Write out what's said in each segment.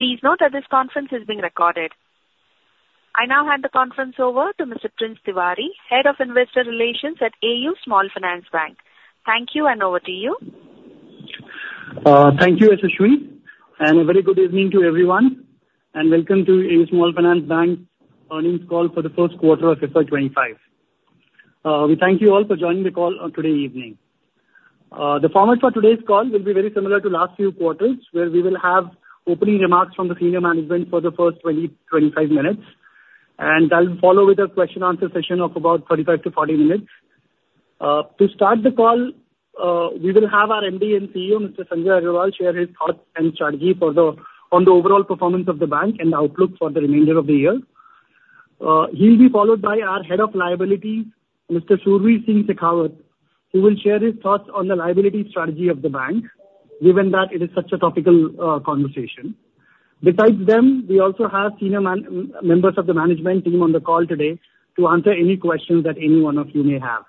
Please note that this conference is being recorded. I now hand the conference over to Mr. Prince Tiwari, Head of Investor Relations at AU Small Finance Bank. Thank you, and over to you. Thank you, Yashashri, and a very good evening to everyone, and welcome to AU Small Finance Bank earnings call for the first quarter of fiscal 2025. We thank you all for joining the call on today evening. The format for today's call will be very similar to last few quarters, where we will have opening remarks from the senior management for the first 20-25 minutes, and that will follow with a question and answer session of about 35-40 minutes. To start the call, we will have our MD and CEO, Mr. Sanjay Agarwal, share his thoughts and strategy on the overall performance of the bank and the outlook for the remainder of the year. He will be followed by our Head of Liability, Mr. Shoorveer Singh Shekhawat, who will share his thoughts on the liability strategy of the bank, given that it is such a topical conversation. Besides them, we also have senior members of the management team on the call today to answer any questions that any one of you may have.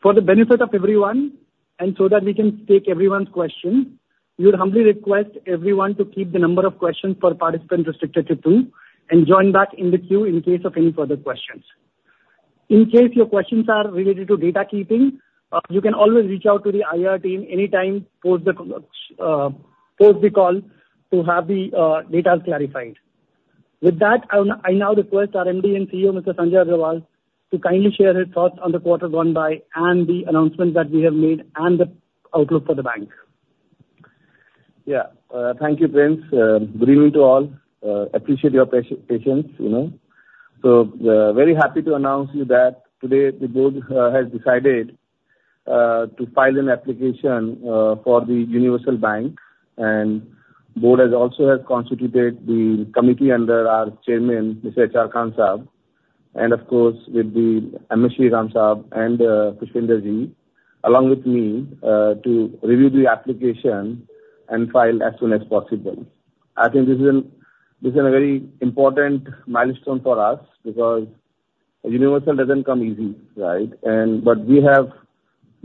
For the benefit of everyone, and so that we can take everyone's questions, we would humbly request everyone to keep the number of questions per participant restricted to two, and join back in the queue in case of any further questions. In case your questions are related to data keeping, you can always reach out to the IR team anytime, post the call, to have the data clarified. With that, I now request our MD and CEO, Mr. Sanjay Agarwal, to kindly share his thoughts on the quarter gone by and the announcements that we have made and the outlook for the bank. Yeah. Thank you, Prince. Good evening to all. Appreciate your patience, you know. So, very happy to announce you that today the board has decided to file an application for the universal bank. And the board has also has constituted the committee under our chairman, Mr. H.R. Khan Saab, and of course, with the M.S. Sriram Saab and Pushpinder Ji, along with me to review the application and file as soon as possible. I think this is a very important milestone for us, because universal doesn't come easy, right? But we have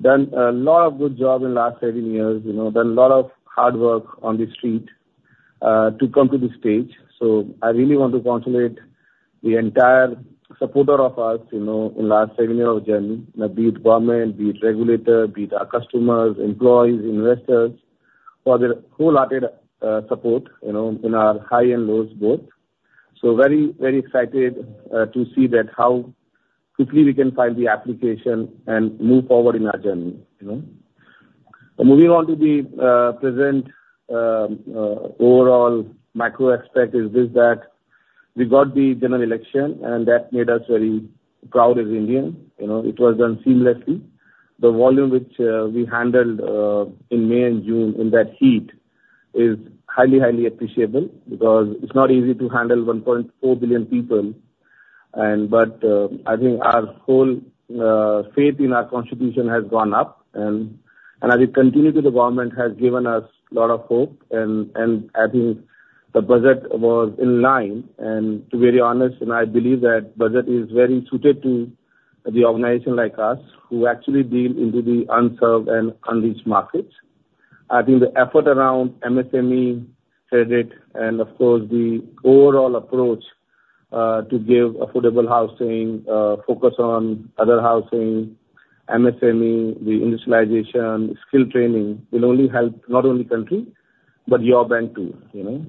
done a lot of good job in last seven years, you know, done a lot of hard work on the street to come to this stage. So I really want to congratulate the entire supporter of us, you know, in last seven year of journey, be it government, be it regulator, be it our customers, employees, investors, for their wholehearted support, you know, in our high and lows both. So very, very excited to see that how quickly we can file the application and move forward in our journey, you know. Moving on to the present, overall macro aspect is this, that we got the general election, and that made us very proud as Indian. You know, it was done seamlessly. The volume which we handled in May and June, in that heat, is highly, highly appreciable, because it's not easy to handle 1.4 billion people. I think our whole faith in our constitution has gone up. As we continue to, the government has given us a lot of hope. I think the budget was in line. To be very honest, I believe that budget is very suited to the organization like us, who actually deal into the unserved and unreached markets. I think the effort around MSME credit and of course, the overall approach to give affordable housing, focus on other housing, MSME, the industrialization, skill training, will only help, not only country, but your bank too, you know?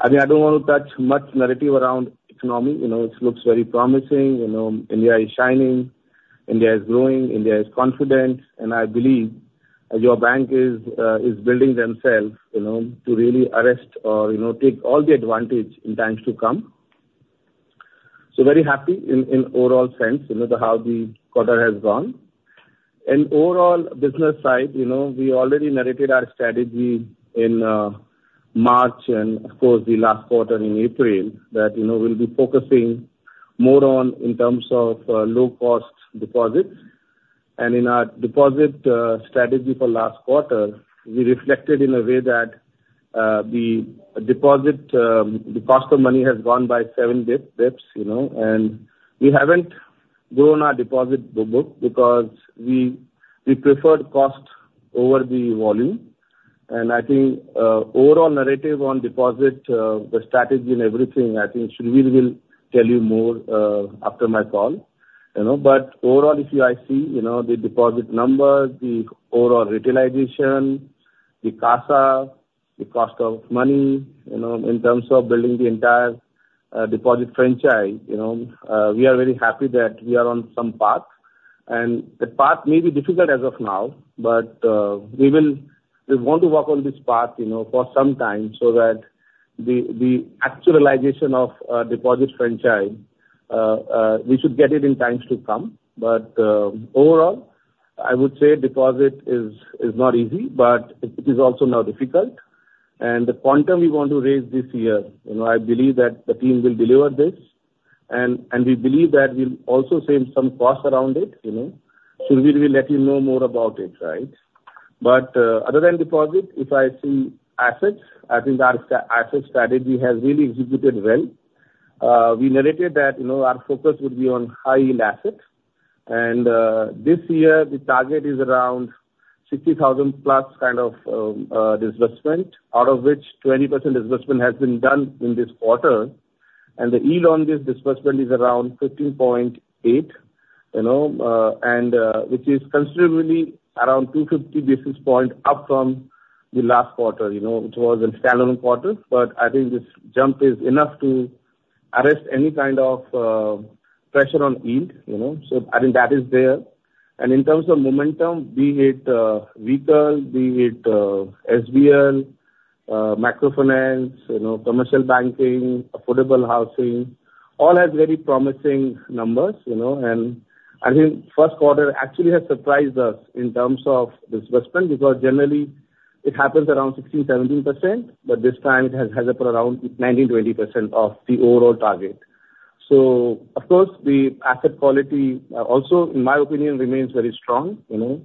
I mean, I don't want to touch much narrative around economy. You know, it looks very promising. You know, India is shining, India is growing, India is confident, and I believe your bank is, is building themselves, you know, to really arrest or, you know, take all the advantage in times to come. So very happy in overall sense, you know, the how the quarter has gone. And overall business side, you know, we already narrated our strategy in March and of course, the last quarter in April, that, you know, we'll be focusing more on in terms of low-cost deposits. And in our deposit strategy for last quarter, we reflected in a way that the deposit the cost of money has gone by seven dips, you know, and we haven't grown our deposit book because we preferred cost over the volume. And I think overall narrative on deposit the strategy and everything, I think Shoorveer will tell you more after my call, you know? But overall, if I see, you know, the deposit numbers, the overall retailization, the CASA, the cost of money, you know, in terms of building the entire deposit franchise, you know, we are very happy that we are on some path. And the path may be difficult as of now, but we will, we want to walk on this path, you know, for some time so that the actualization of deposit franchise, we should get it in times to come. But overall, I would say deposit is not easy, but it is also not difficult. And the quantum we want to raise this year, you know, I believe that the team will deliver this. And we believe that we'll also save some costs around it, you know. Shoorveer will let you know more about it, right? But other than deposit, if I see assets, I think our asset strategy has really executed well. We narrated that, you know, our focus would be on high-yield assets, and this year, the target is around 60,000+ kind of disbursement, out of which 20% disbursement has been done in this quarter, and the yield on this disbursement is around 15.8%, you know, and which is considerably around 250 basis point up from the last quarter, you know, which was a standalone quarter. But I think this jump is enough to arrest any kind of pressure on yield, you know, so I think that is there. And in terms of momentum, be it, retail, be it, SBL, microfinance, you know, commercial banking, affordable housing, all has very promising numbers, you know, and I think first quarter actually has surprised us in terms of disbursement, because generally it happens around 16%-17%, but this time it has, has up around 19%-20% of the overall target. So of course, the asset quality, also, in my opinion, remains very strong, you know.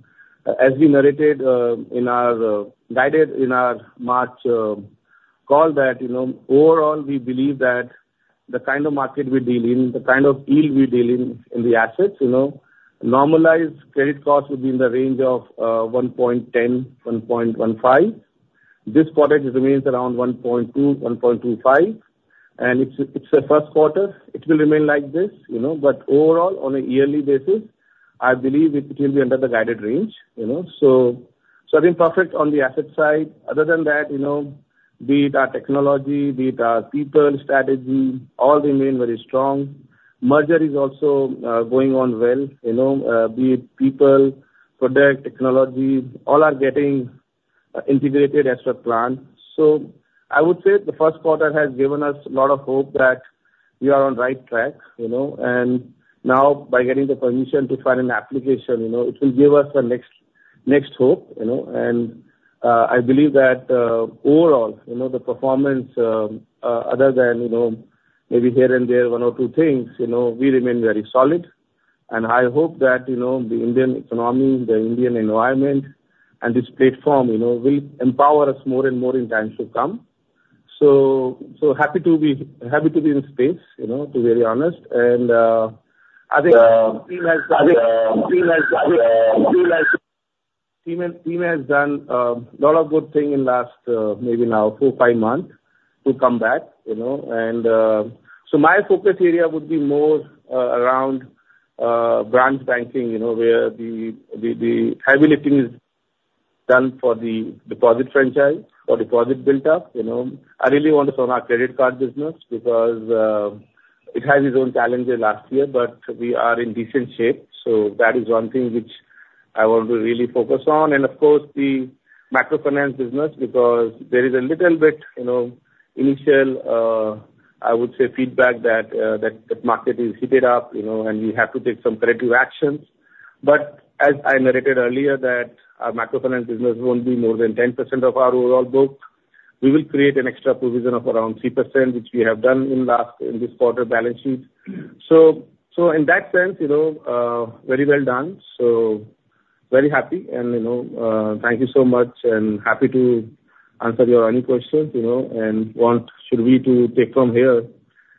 As we narrated, in our, guided in our March, call that, you know, overall, we believe that the kind of market we deal in, the kind of yield we deal in, in the assets, you know, normalized credit cost will be in the range of, 1.10-1.15. This quarter it remains around 1.2, 1.25, and it's a first quarter, it will remain like this, you know, but overall, on a yearly basis, I believe it will be under the guided range, you know? So I think perfect on the asset side. Other than that, you know, be it our technology, be it our people, strategy, all remain very strong. Merger is also going on well, you know, be it people, product, technology, all are getting integrated as per plan. So I would say the first quarter has given us a lot of hope that we are on right track, you know, and now by getting the permission to file an application, you know, it will give us the next hope, you know? I believe that, overall, you know, the performance, other than, you know, maybe here and there, one or two things, you know, we remain very solid. I hope that, you know, the Indian economy, the Indian environment and this platform, you know, will empower us more and more in times to come. So happy to be, happy to be in space, you know, to be very honest. I think the team has done a lot of good things in the last maybe now four, five months. We'll come back, you know, and so my focus area would be more around branch banking, you know, where the heavy lifting is done for the deposit franchise or deposit build-up, you know. I really want to focus on our credit card business, because it has its own challenges last year, but we are in decent shape, so that is one thing which I want to really focus on. And of course, the microfinance business, because there is a little bit, you know, initial, I would say feedback that, that, that market is heated up, you know, and we have to take some corrective actions. But as I narrated earlier, that our microfinance business won't be more than 10% of our overall book. We will create an extra provision of around 3%, which we have done in last, in this quarter balance sheet. So, so in that sense, you know, very well done. So very happy and, you know, thank you so much, and happy to answer your any questions, you know, and want Shoorveer to take from here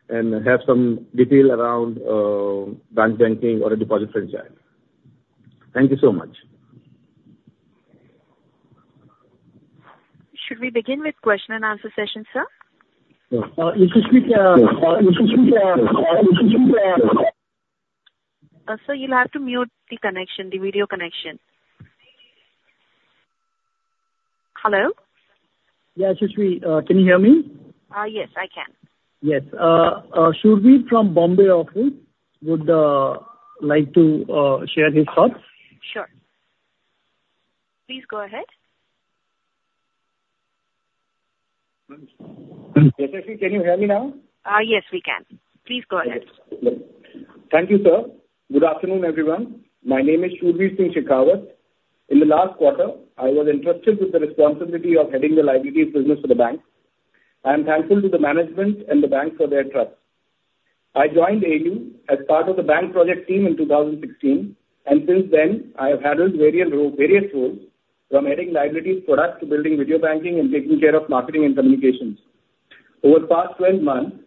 and have some detail around, branch banking or the deposit franchise. Thank you so much. Should we begin with question and answer session, sir? You should speak. Sir, you'll have to mute the connection, the video connection. Hello? Yeah, Ashlesh, can you hear me? Yes, I can. Yes. Shoorveer from Bombay office would like to share his thoughts. Sure. Please go ahead. Yashashri, can you hear me now? Yes, we can. Please go ahead. Thank you, sir. Good afternoon, everyone. My name is Shoorveer Singh Shekhawat. In the last quarter, I was entrusted with the responsibility of heading the liabilities business for the bank. I am thankful to the management and the bank for their trust. I joined AU as part of the bank project team in 2016, and since then I have handled various role, various roles, from adding liabilities products to building video banking and taking care of marketing and communications. Over the past 12 months,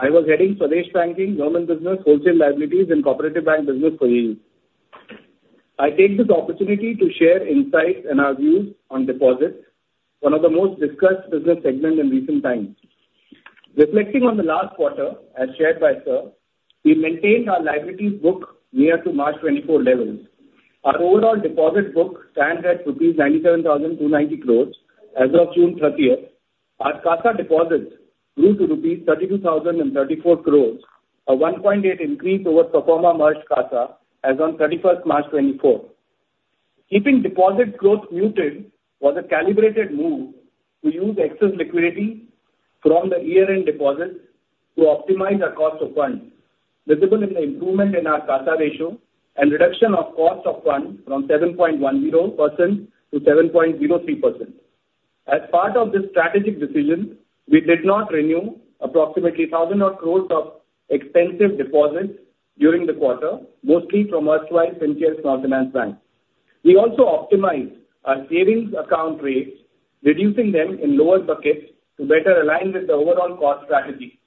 I was heading Swadesh Banking, Government Business, Wholesale Liabilities, and Cooperative Bank Business for AU. I take this opportunity to share insights and our views on deposits, one of the most discussed business segment in recent times. Reflecting on the last quarter, as shared by sir, we maintained our liabilities book near to March 2024 levels. Our overall deposit book stands at INR 97,290 crore as of June 30th. Our CASA deposits grew to INR 32,034 crore, a 1.8 increase over pro forma merged CASA on 31st March 2024. Keeping deposit growth muted was a calibrated move to use excess liquidity from the year-end deposits to optimize our cost of funds, visible in the improvement in our CASA ratio and reduction of cost of funds from 7.10% to 7.03%. As part of this strategic decision, we did not renew approximately 1,000 crore of expensive deposits during the quarter, mostly from Fincare Small Finance Bank. We also optimized our savings account rates, reducing them in lower buckets to better align with the overall cost strategy.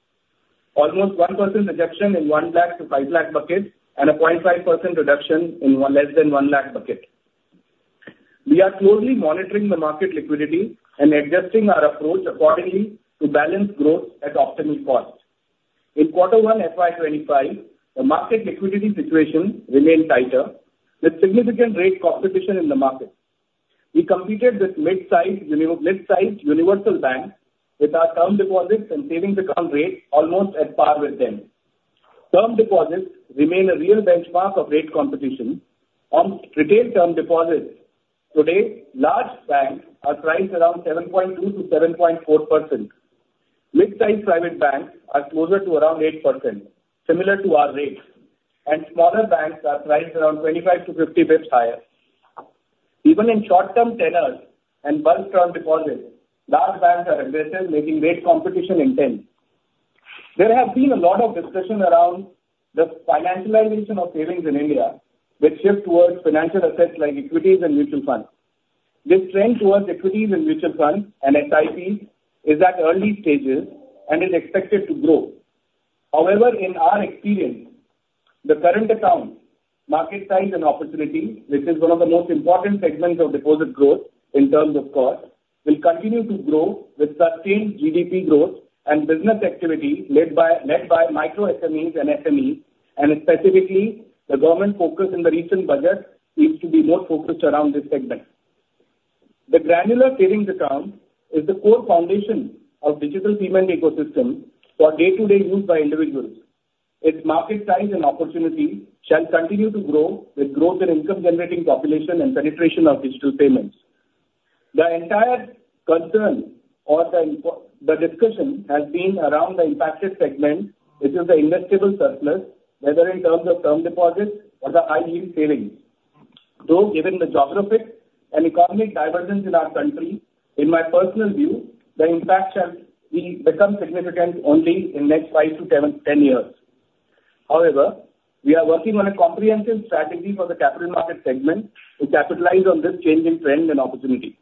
Almost 1% reduction in 1 lakh to 5 lakh buckets, and a 0.5% reduction in 1, less than 1 lakh bucket. We are closely monitoring the market liquidity and adjusting our approach accordingly to balance growth at optimal cost. In quarter one, FY 2025, the market liquidity situation remained tighter, with significant rate competition in the market. We competed with mid-sized universal banks, with our term deposits and savings account rates almost at par with them. Term deposits remain a real benchmark of rate competition. On retail term deposits, today, large banks are priced around 7.2%-7.4%. Mid-sized private banks are closer to around 8%, similar to our rates, and smaller banks are priced around 25-50 basis points higher. Even in short-term tenors and bulk term deposits, large banks are aggressive, making rate competition intense. There have been a lot of discussion around the financialization of savings in India, with shift towards financial assets like equities and mutual funds. This trend towards equities and mutual funds and SIPs is at early stages and is expected to grow. However, in our experience, the current account, market size and opportunity, which is one of the most important segments of deposit growth in terms of cost, will continue to grow with sustained GDP growth and business activity led by, led by micro SMEs and SMEs, and specifically, the government focus in the recent budget seems to be more focused around this segment. The granular savings account is the core foundation of digital payment ecosystem for day-to-day use by individuals. Its market size and opportunity shall continue to grow with growth in income-generating population and penetration of digital payments. The entire concern or the discussion has been around the impacted segment, which is the investable surplus, whether in terms of term deposits or the high-yield savings, though, given the geographic and economic divergence in our country, in my personal view, the impact shall be, become significant only in next five to seven, 10 years. However, we are working on a comprehensive strategy for the capital market segment to capitalize on this changing trend and opportunity.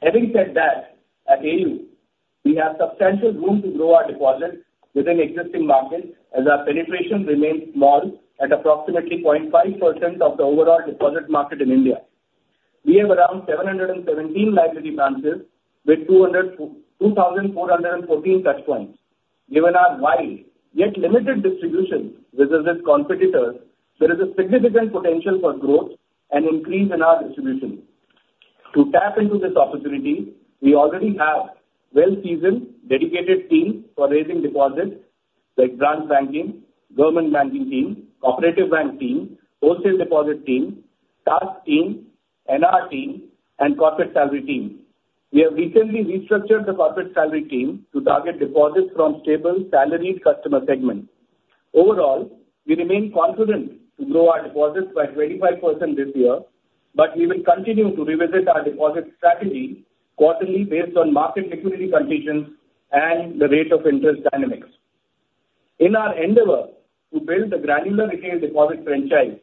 Having said that, at AU, we have substantial room to grow our deposits within existing markets as our penetration remains small at approximately 0.5% of the overall deposit market in India. We have around 717 liability branches with 2,414 touchpoints. Given our wide, yet limited distribution vis-a-vis competitors, there is a significant potential for growth and increase in our distribution. To tap into this opportunity, we already have well-seasoned, dedicated teams for raising deposits, like branch banking, government banking team, cooperative bank team, wholesale deposit team, TASC team, NR team, and corporate salary team. We have recently restructured the corporate salary team to target deposits from stable, salaried customer segment. Overall, we remain confident to grow our deposits by 25% this year, but we will continue to revisit our deposit strategy quarterly based on market liquidity conditions and the rate of interest dynamics. In our endeavor to build a granular retail deposit franchise,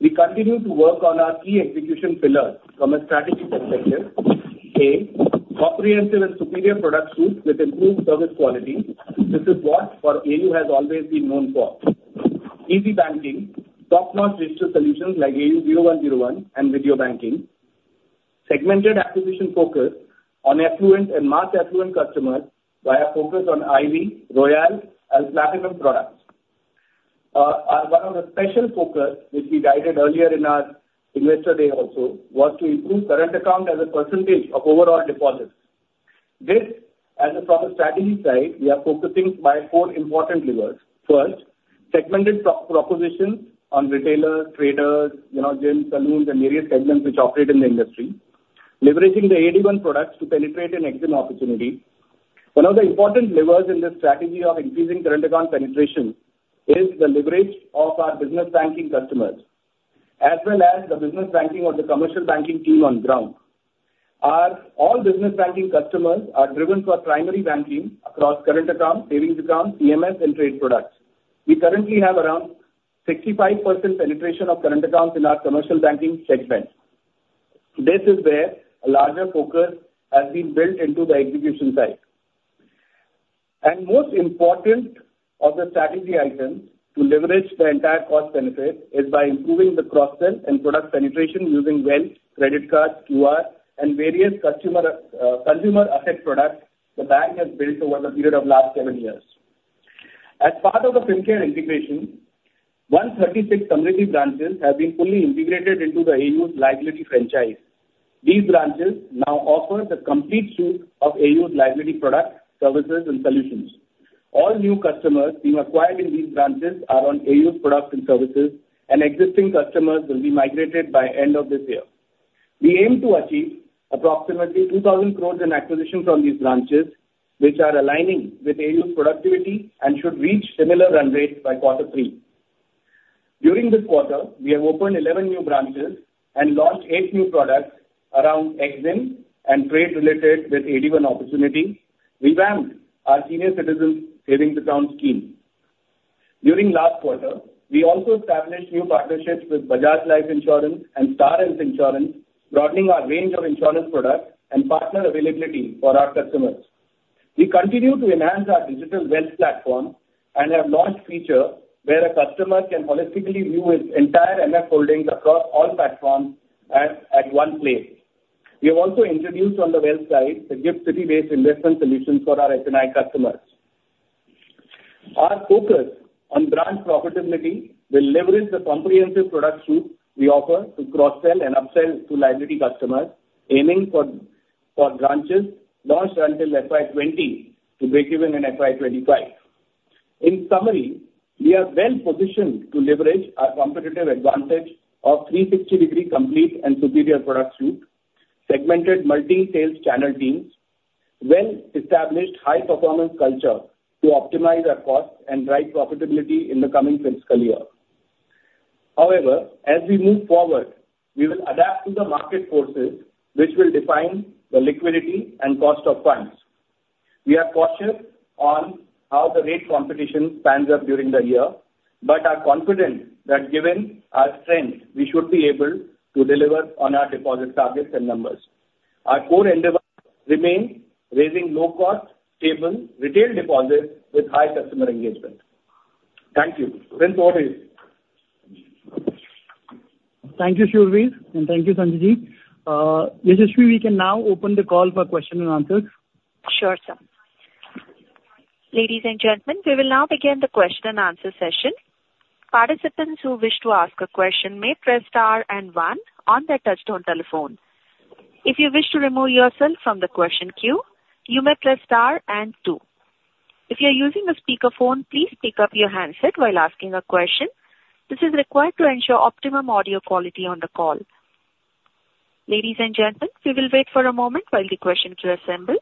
we continue to work on our key execution pillars from a strategy perspective. A, comprehensive and superior product suite with improved service quality. This is what for AU has always been known for. Easy banking, top-notch digital solutions like AU 0101 and video banking, segmented acquisition focus on affluent and mass affluent customers via focus on Ivy, Royale and Platinum products. One of the special focus, which we guided earlier in our investor day also, was to improve current account as a percentage of overall deposits. This, as from a strategy side, we are focusing by four important levers. First, segmented propositions on retailers, traders, you know, gyms, salons, and various segments which operate in the industry. Leveraging the AD-I products to penetrate an EXIM opportunity. One of the important levers in this strategy of increasing current account penetration is the leverage of our business banking customers, as well as the business banking or the commercial banking team on ground. Our all business banking customers are driven for primary banking across current accounts, savings accounts, CMS and trade products. We currently have around 65% penetration of current accounts in our commercial banking segment. This is where a larger focus has been built into the execution side. Most important of the strategy items to leverage the entire cost benefit is by improving the cross-sell and product penetration using wealth, credit card, QR, and various customer, consumer asset products the bank has built over the period of last 7 years. As part of the Fincare integration, 136 community branches have been fully integrated into the AU's liability franchise. These branches now offer the complete suite of AU's liability products, services, and solutions. All new customers being acquired in these branches are on AU's products and services, and existing customers will be migrated by end of this year. We aim to achieve approximately 2,000 crore in acquisitions from these branches, which are aligning with AU's productivity and should reach similar run rates by quarter three. During this quarter, we have opened 11 new branches and launched 8 new products around EXIM and trade related with AD-I opportunity, revamped our senior citizens savings account scheme. During last quarter, we also established new partnerships with Bajaj Life Insurance and Star Health Insurance, broadening our range of insurance products and partner availability for our customers. We continue to enhance our digital wealth platform and have launched feature where a customer can holistically view his entire MF holdings across all platforms at one place. We have also introduced on the wealth side, the GIFT City-based investment solutions for our HNI customers. Our focus on branch profitability will leverage the comprehensive product suite we offer to cross-sell and upsell to liability customers, aiming for branches launched until FY 2020 to break even in FY 2025. In summary, we are well positioned to leverage our competitive advantage of 360-degree complete and superior product suite, segmented multi-sales channel teams, well-established high performance culture to optimize our costs and drive profitability in the coming fiscal year. However, as we move forward, we will adapt to the market forces, which will define the liquidity and cost of funds. We are cautious on how the rate competition pans out during the year, but are confident that given our strength, we should be able to deliver on our deposit targets and numbers. Our core endeavor remain raising low cost, stable retail deposits with high customer engagement. Thank you. Prince, over to you. Thank you, Shoorveer, and thank you, Sanjay Ji. Yashashri, we can now open the call for question and answers. Sure, sir. Ladies and gentlemen, we will now begin the question and answer session. Participants who wish to ask a question may press star and one on their touchtone telephone. If you wish to remove yourself from the question queue, you may press star and two. If you are using a speakerphone, please pick up your handset while asking a question. This is required to ensure optimum audio quality on the call. Ladies and gentlemen, we will wait for a moment while the question queue assembles.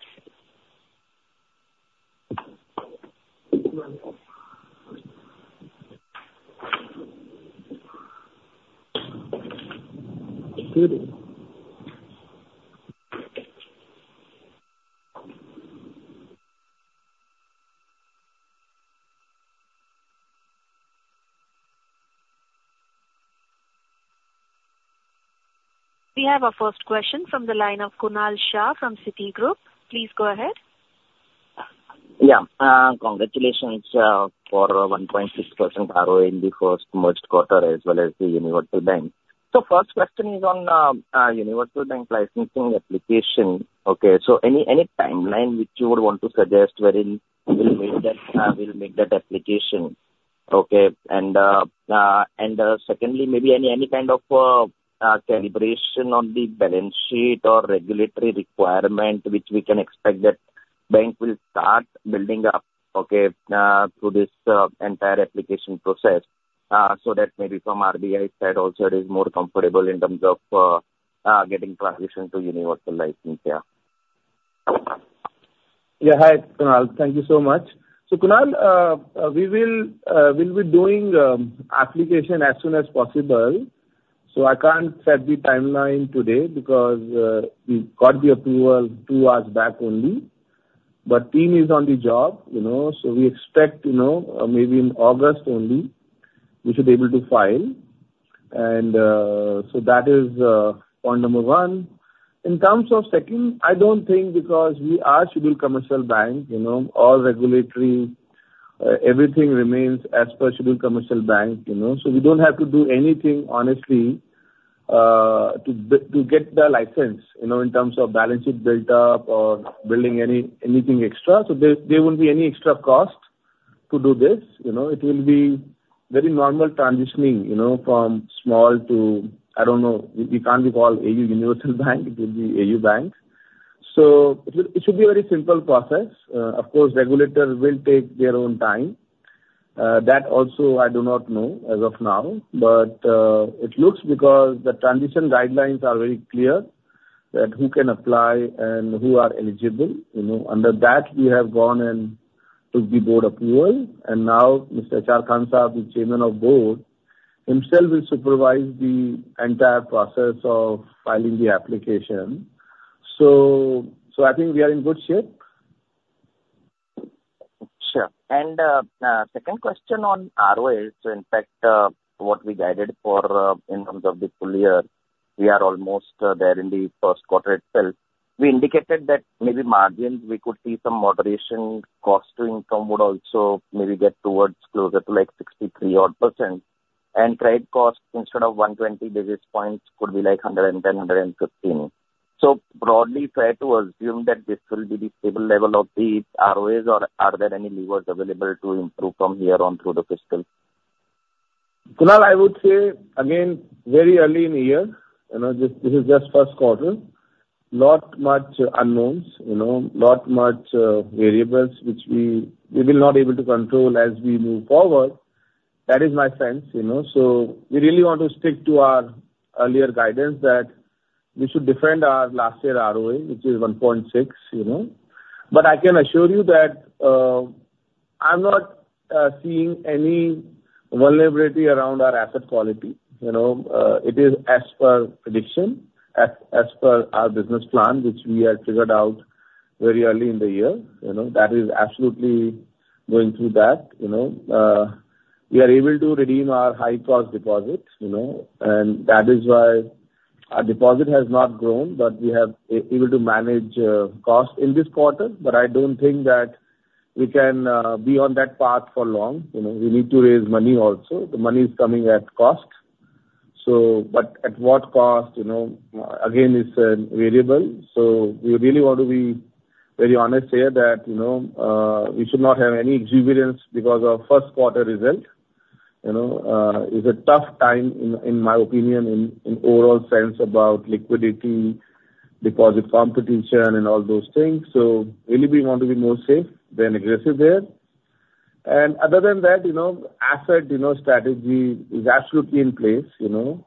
We have our first question from the line of Kunal Shah from Citigroup. Please go ahead. Yeah. Congratulations for a 1.6% ROE in the first merged quarter, as well as the Universal Bank. So first question is on Universal Bank licensing application. Okay, so any timeline which you would want to suggest wherein we'll make that application? Okay, and secondly, maybe any kind of calibration on the balance sheet or regulatory requirement, which we can expect that bank will start building up, okay, through this entire application process? So that maybe from RBI side also it is more comfortable in terms of getting transition to universal license. Yeah. Yeah, hi, Kunal. Thank you so much. So, Kunal, we will, we'll be doing application as soon as possible, so I can't set the timeline today because we got the approval two hours back only. But team is on the job, you know, so we expect, you know, maybe in August only, we should be able to file. And, so that is point number one. In terms of second, I don't think because we are scheduled commercial bank, you know, all regulatory everything remains as per scheduled commercial bank, you know? So we don't have to do anything, honestly, to get the license, you know, in terms of balance sheet built up or building anything extra. So there won't be any extra cost to do this. You know, it will be very normal transitioning, you know, from small to, I don't know, it can't be called AU Universal Bank, it will be AU Bank. So it should be a very simple process. Of course, regulators will take their own time. That also I do not know as of now, but it looks because the transition guidelines are very clear that who can apply and who are eligible, you know. Under that, we have gone and took the board approval, and now Mr. Khan, the Chairman of the Board, himself will supervise the entire process of filing the application. So I think we are in good shape. Sure. Second question on ROAs. So in fact, what we guided for, in terms of the full year, we are almost, there in the first quarter itself. We indicated that maybe margins, we could see some moderation, cost to income would also maybe get towards closer to, like, 63 odd%. And credit costs, instead of 120 basis points, could be like 110-115 basis points. So broadly, fair to assume that this will be the stable level of the ROAs, or are there any levers available to improve from here on through the fiscal? Kunal, I would say again, very early in the year, you know, this is just first quarter. Not much unknowns, you know, not much variables, which we will not be able to control as we move forward. That is my sense, you know, so we really want to stick to our earlier guidance that we should defend our last year ROA, which is 1.6, you know? But I can assure you that I'm not seeing any vulnerability around our asset quality, you know, it is as per prediction, as per our business plan, which we have figured out. very early in the year, you know, that is absolutely going through that, you know. We are able to redeem our high-cost deposits, you know, and that is why our deposit has not grown, but we have been able to manage cost in this quarter, but I don't think that we can be on that path for long. You know, we need to raise money also. The money is coming at cost. So, but at what cost, you know, again, it's variable. So we really want to be very honest here that, you know, we should not have any exuberance because our first quarter result, you know, is a tough time in my opinion, in overall sense about liquidity, deposit competition and all those things. So really we want to be more safe than aggressive there. And other than that, you know, asset strategy is absolutely in place, you know.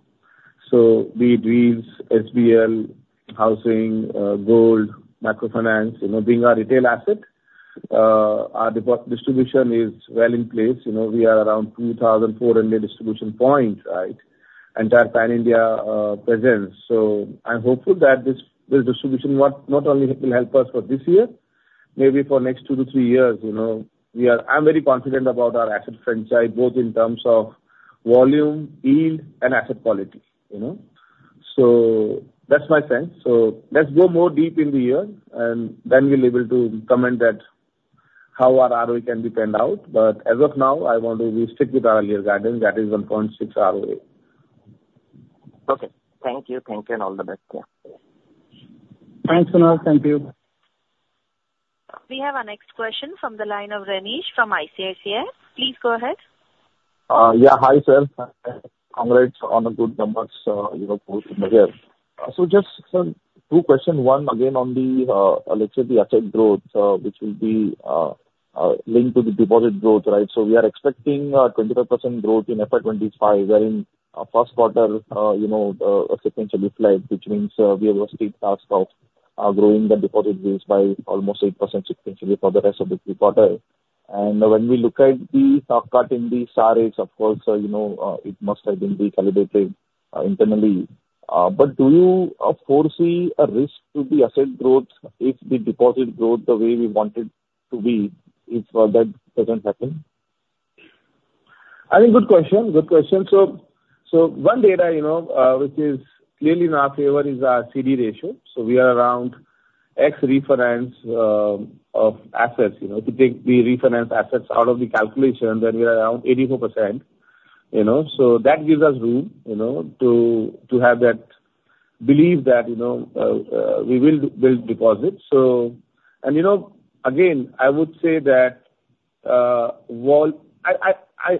So be it Retail, SVL, housing, gold, microfinance, you know, being our retail asset, our deposit distribution is well in place. You know, we are around 2,400 distribution points, right? Entire pan-India presence. So I'm hopeful that this, this distribution not, not only will help us for this year, maybe for next 2-3 years, you know, we are. I'm very confident about our asset franchise, both in terms of volume, yield, and asset quality, you know. So that's my sense. So let's go more deep in the year, and then we'll able to comment that how our ROE can be panned out. But as of now, I want to be strict with our earlier guidance, that is 1.6 ROA. Okay. Thank you. Thank you, and all the best. Yeah. Thanks, Kunal. Thank you. We have our next question from the line of Renish from ICICI. Please go ahead. Yeah, hi, sir. Congrats on the good numbers, you know, quarter in the year. So just, sir, two questions, one, again, on the, let's say, the asset growth, which will be linked to the deposit growth, right? So we are expecting 25% growth in FY 2025, wherein first quarter, you know, a sequential decline, which means we have a steep task of growing the deposit base by almost 8% sequentially for the rest of the three quarters. And when we look at the tough cut in the SAR rates, of course, you know, it must have been recalibrated internally. But do you foresee a risk to the asset growth if the deposit growth the way we want it to be, if that doesn't happen? I think good question. Good question. So, so one data, you know, which is clearly in our favor is our CD ratio. So we are around ex refinance of assets, you know, to take the refinance assets out of the calculation, then we are around 84%, you know, so that gives us room, you know, to have that belief that, you know, we will build deposits. So, and, you know, again, I would say that, well,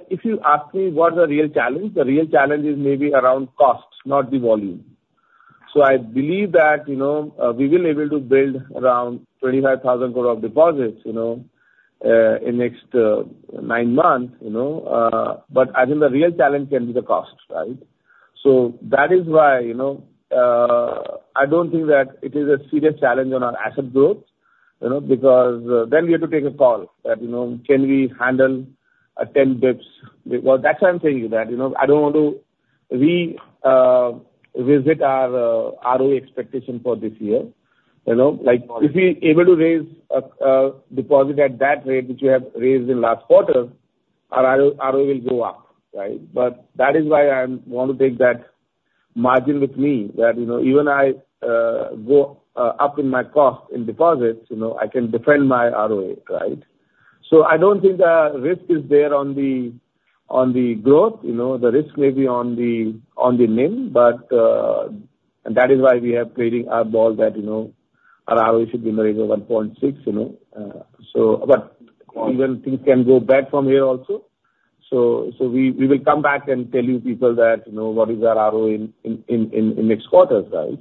if you ask me what's the real challenge, the real challenge is maybe around costs, not the volume. So I believe that, you know, we will able to build around 25,000 crore of deposits, you know, in next nine months, you know, but I think the real challenge can be the cost, right? So that is why, you know, I don't think that it is a serious challenge on our asset growth, you know, because then we have to take a call that, you know, can we handle 10 basis points? Well, that's why I'm telling you that, you know, I don't want to revisit our ROA expectation for this year, you know. Like, if we able to raise a deposit at that rate which we have raised in last quarter, our ROA will go up, right? But that is why I want to take that margin with me, that, you know, even if I go up in my cost in deposits, you know, I can defend my ROA, right? So I don't think the risk is there on the growth, you know. The risk may be on the, on the NIM, but and that is why we are creating our goal that, you know, our ROE should be in the range of 1.6, you know, so but even things can go back from here also. So we will come back and tell you people that, you know, what is our ROE in next quarters, right?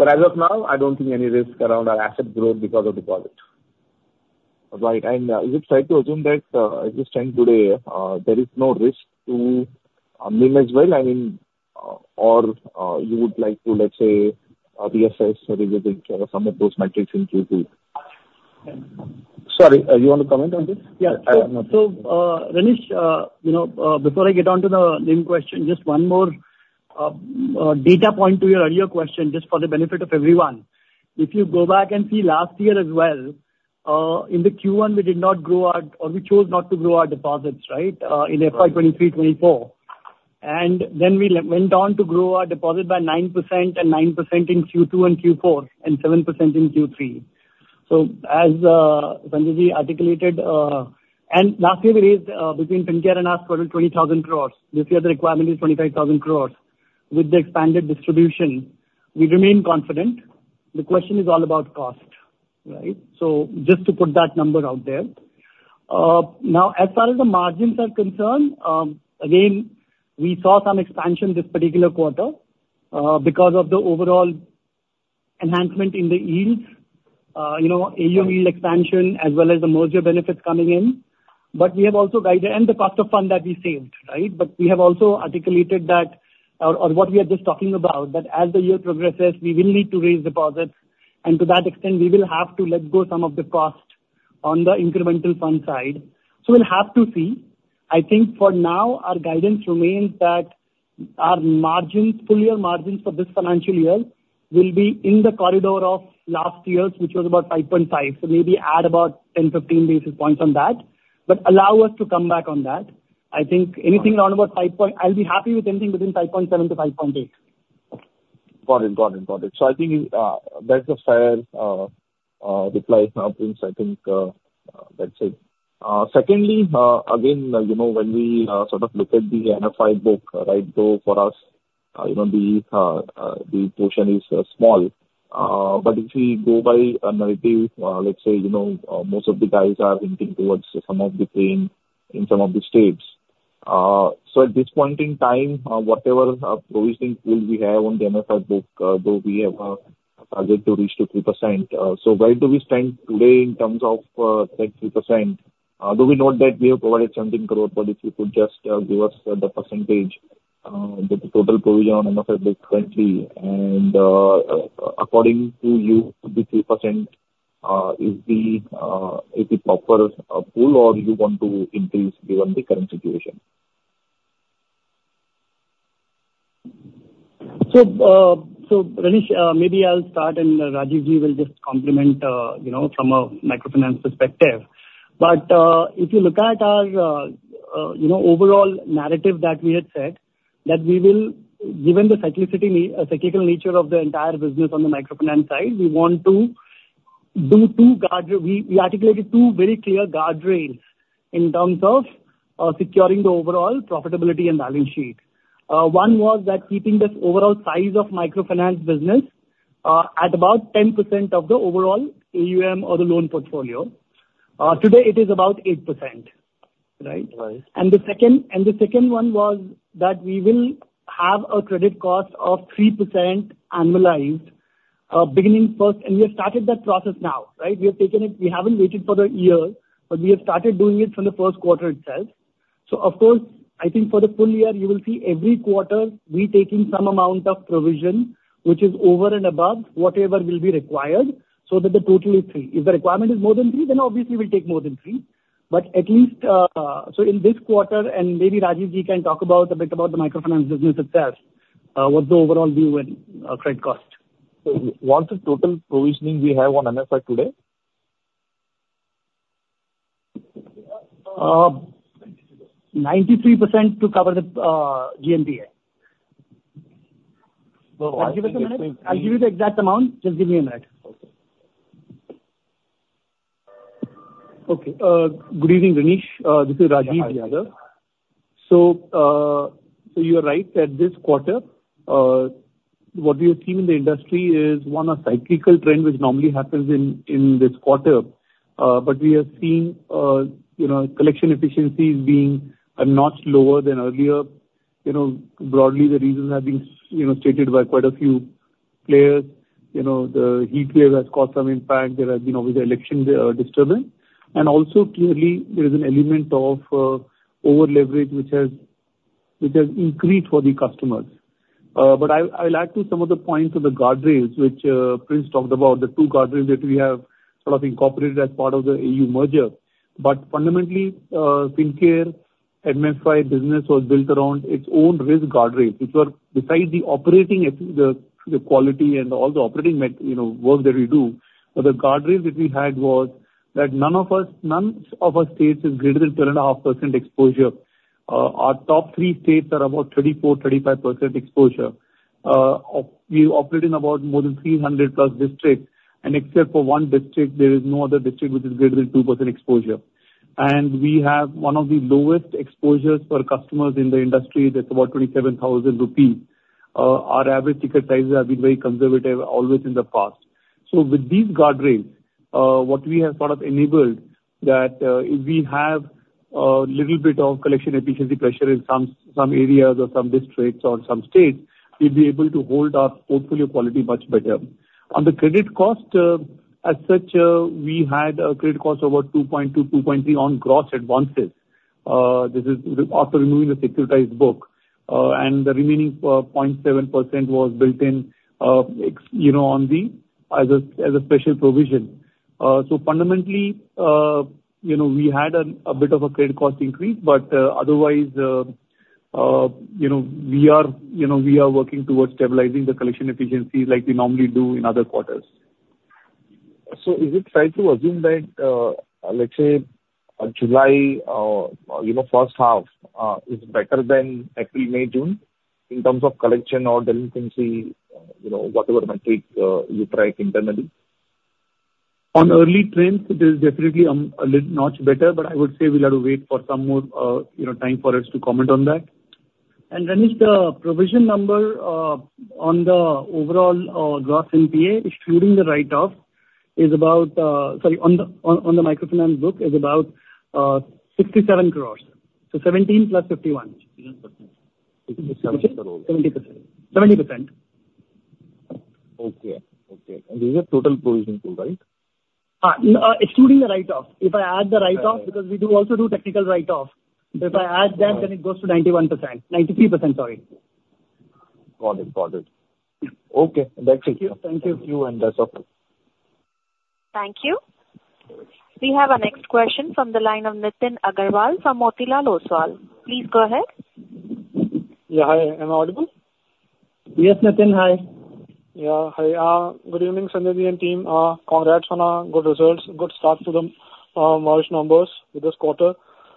But as of now, I don't think any risk around our asset growth because of deposit. Right. And is it safe to assume that, as we stand today, there is no risk to NIM as well? I mean, or you would like to, let's say, reassess or revisit some of those metrics in Q2? Sorry, you want to comment on this? Yeah. So, Renish, you know, before I get on to the NIM question, just one more data point to your earlier question, just for the benefit of everyone. If you go back and see last year as well, in the Q1, we did not grow or we chose not to grow our deposits, right? In FY 2023-2024. Then we went on to grow our deposit by 9% and 9% in Q2 and Q4, and 7% in Q3. So as Sanjay articulated, and last year we raised, between Fincare and us, 20,000 crore. This year, the requirement is 25,000 crore. With the expanded distribution, we remain confident. The question is all about cost, right? So just to put that number out there. Now, as far as the margins are concerned, again, we saw some expansion this particular quarter, because of the overall enhancement in the yields, you know, ALM yield expansion as well as the merger benefits coming in, but we have also guided, and the cost of fund that we saved, right? But we have also articulated that, or, or what we are just talking about, that as the year progresses, we will need to raise deposits, and to that extent, we will have to let go some of the cost on the incremental fund side. So we'll have to see. I think for now, our guidance remains that our margins, full year margins for this financial year will be in the corridor of last year's, which was about 5.5. So maybe add about 10, 15 basis points on that, but allow us to come back on that. I think anything around about 5.7. I'll be happy with anything within 5.7-5.8. Got it, got it, got it. So I think, that's a fair, reply from Prince. I think, that's it. Secondly, again, you know, when we, sort of look at the NFI book, right, so for us, you know, the, the portion is, small. But if we go by a narrative, let's say, you know, most of the guys are hinting towards some of the trend in some of the states. So at this point in time, whatever, provisioning pool we have on the NFI book, though we have a target to reach to 3%. So where do we stand today in terms of, that 3%? Though we note that we have provided 17 crore, but if you could just give us the percentage, the total provision on NPA book currently, and according to you, the 3% is the, is it proper pool, or do you want to increase given the current situation? So, Renish, maybe I'll start and Rajeev Ji will just complement, you know, from a microfinance perspective. But, if you look at our, you know, overall narrative that we had set, that we will given the cyclicity, cyclical nature of the entire business on the microfinance side, we want to do two guardrails—we articulated two very clear guardrails in terms of, securing the overall profitability and balance sheet. One was that keeping this overall size of microfinance business, at about 10% of the overall AUM or the loan portfolio. Today, it is about 8%, right? Right. The second, and the second one was that we will have a credit cost of 3% annualized, beginning first, and we have started that process now, right? We have taken it, we haven't waited for the year, but we have started doing it from the first quarter itself. So of course, I think for the full year, you will see every quarter we're taking some amount of provision, which is over and above whatever will be required, so that the total is 3%. If the requirement is more than 3%, then obviously we'll take more than 3%. But at least, so in this quarter, and maybe Rajeev Ji can talk a bit about the microfinance business itself, what the overall view and credit cost. What's the total provisioning we have on NFI today? 93% to cover the GNPA. But why- Give us a minute. I'll give you the exact amount. Just give me a minute. Okay. Okay. Good evening, Renish, this is Rajeev Yadav. Hi. So, so you are right that this quarter, what we have seen in the industry is, one, a cyclical trend, which normally happens in, in this quarter. But we have seen, you know, collection efficiencies being a notch lower than earlier. You know, broadly, the reasons have been, you know, stated by quite a few players. You know, the heat wave has caused some impact. There has been obviously the election, disturbance. And also clearly, there is an element of, over-leverage, which has, which has increased for the customers. But I, I'll add to some of the points of the guardrails, which, Prince talked about, the two guardrails that we have sort of incorporated as part of the AU merger. But fundamentally, Fincare microfinance business was built around its own risk guardrails, which were besides the operating ef- the, the quality and all the operating me- you know, work that we do. But the guardrails that we had was that none of our states is greater than 2.5% exposure. Our top three states are about 34%-35% exposure. We operate in about more than 300+ districts, and except for one district, there is no other district which is greater than 2% exposure. And we have one of the lowest exposures per customers in the industry, that's about 27,000 rupees. Our average ticket sizes have been very conservative always in the past. So with these guardrails, what we have sort of enabled that, if we have a little bit of collection efficiency pressure in some, some areas or some districts or some states, we'll be able to hold our portfolio quality much better. On the credit cost, as such, we had a credit cost of about 2.2-2.3 on gross advances. This is after removing the securitized book. And the remaining, point seven percent was built in, ex- you know, on the, as a, as a special provision. So fundamentally, you know, we had a, a bit of a credit cost increase, but, otherwise, you know, we are, you know, we are working towards stabilizing the collection efficiency like we normally do in other quarters. So is it fair to assume that, let's say, you know, first half, is better than actually May, June, in terms of collection or delinquency, you know, whatever metric, you track internally? On early trends, it is definitely a notch better, but I would say we'll have to wait for some more, you know, time for us to comment on that. Renish, the provision number on the overall gross NPA, excluding the write-off, is about. Sorry, on the microfinance book, is about 67 crore. So 17 + 51. 70%. 70%. 70%. Okay. Okay, and this is a total provisioning pool, right? No, excluding the write-off. If I add the write-off- Right. because we do also do technical write-off, but if I add that, then it goes to 91%. 93%, sorry. Got it, got it. Okay, that's it. Thank you. Thank you, and that's okay. Thank you. We have our next question from the line of Nitin Aggarwal from Motilal Oswal. Please go ahead. Yeah, hi. Am I audible? Yes, Nitin, hi. Yeah, hi, good evening, Sanjay ji, and team. Congrats on good results. Good start to the March numbers with this quarter.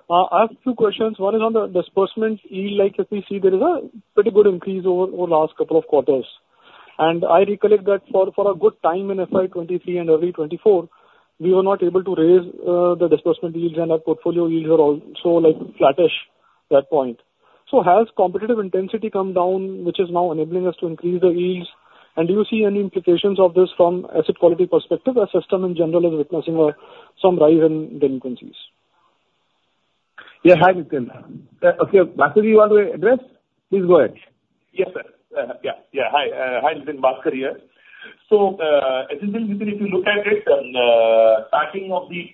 I have two questions. One is on the disbursement yield, like, if we see there is a pretty good increase over, over the last couple of quarters. And I recollect that for, for a good time in FY 2023 and early 2024, we were not able to raise the disbursement yields, and our portfolio yields were also, like, flattish that point. So has competitive intensity come down, which is now enabling us to increase the yields? And do you see any implications of this from asset quality perspective, as system in general is witnessing some rise in delinquencies? Yeah, hi, Nitin. Okay, Bhaskar, do you want to address? Please go ahead. Yes, sir. Yeah, yeah. Hi, hi, Nitin, Bhaskar here. So, as you can, Nitin, if you look at it on starting of the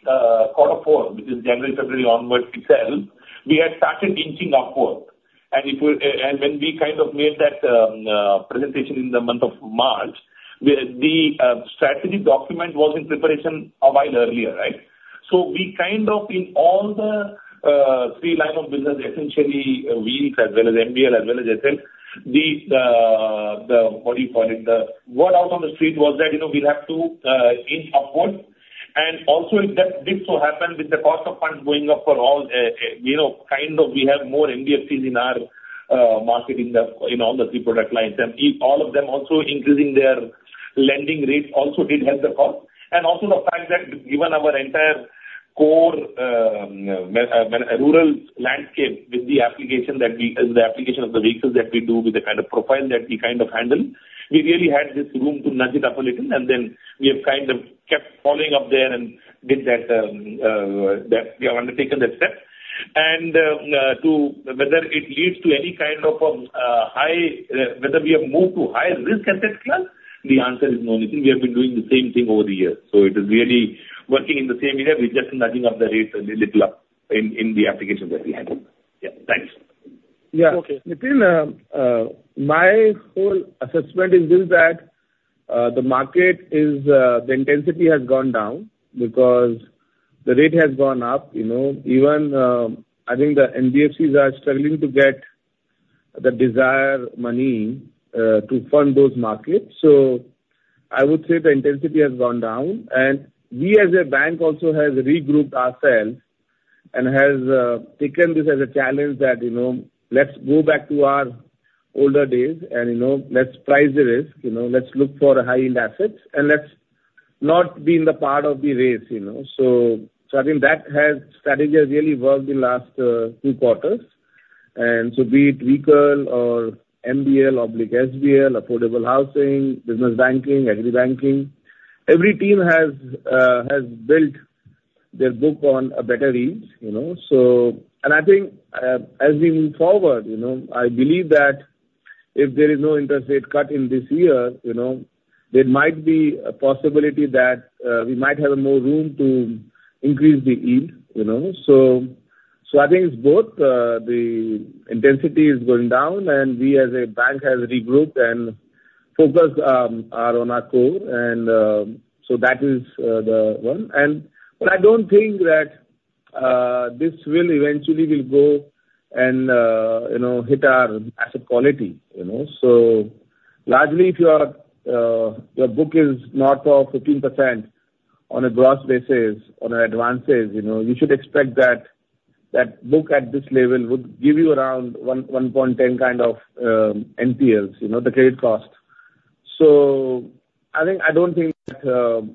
quarter four, which is January, February onwards itself, we had started inching upward. And if we and when we kind of made that presentation in the month of March, where the strategy document was in preparation a while earlier, right? So we kind of in all the three line of business, essentially, wheels as well as MBL, as well as SL, the what do you call it? The word out on the street was that, you know, we'll have to inch upwards. And also, if that did so happen with the cost of funds going up for all, you know, kind of we have more NBFCs in our market in all the three product lines. And if all of them also increasing their lending rates also did help the cause. And also the fact that given our entire core rural landscape, with the application that we. The application of the vehicles that we do, with the kind of profile that we kind of handle, we really had this room to nudge it up a little, and then we have kind of kept following up there and did that, that we have undertaken that step. To whether it leads to any kind of high whether we have moved to higher risk appetite class, the answer is no, Nitin. We have been doing the same thing over the years. So it is really working in the same area. We're just nudging up the rates a little up in the applications that we handle. Yeah, thanks. Yeah. Okay. Nitin, my whole assessment is that the market, the intensity has gone down because the rate has gone up, you know. Even, I think the NBFCs are struggling to get the desired money to fund those markets. So I would say the intensity has gone down, and we as a bank also has regrouped ourselves and has taken this as a challenge that, you know, let's go back to our older days and, you know, let's price the risk, you know. Let's look for high-yield assets, and let's not be in the part of the race, you know. So I think that strategy has really worked the last two quarters. And so be it vehicle or MBL, oblique SBL, affordable housing, business banking, agri banking, every team has built their book on a better yield, you know? And I think, as we move forward, you know, I believe that if there is no interest rate cut in this year, you know, there might be a possibility that we might have more room to increase the yield, you know? So, so I think it's both, the intensity is going down, and we as a bank has regrouped and focused on our core, and so that is the one. And, but I don't think that this will eventually will go and you know, hit our asset quality, you know. Largely, if your book is north of 15% on a gross basis, on advances, you know, you should expect that book at this level would give you around 1.10 kind of NPLs, you know, the credit cost. I don't think that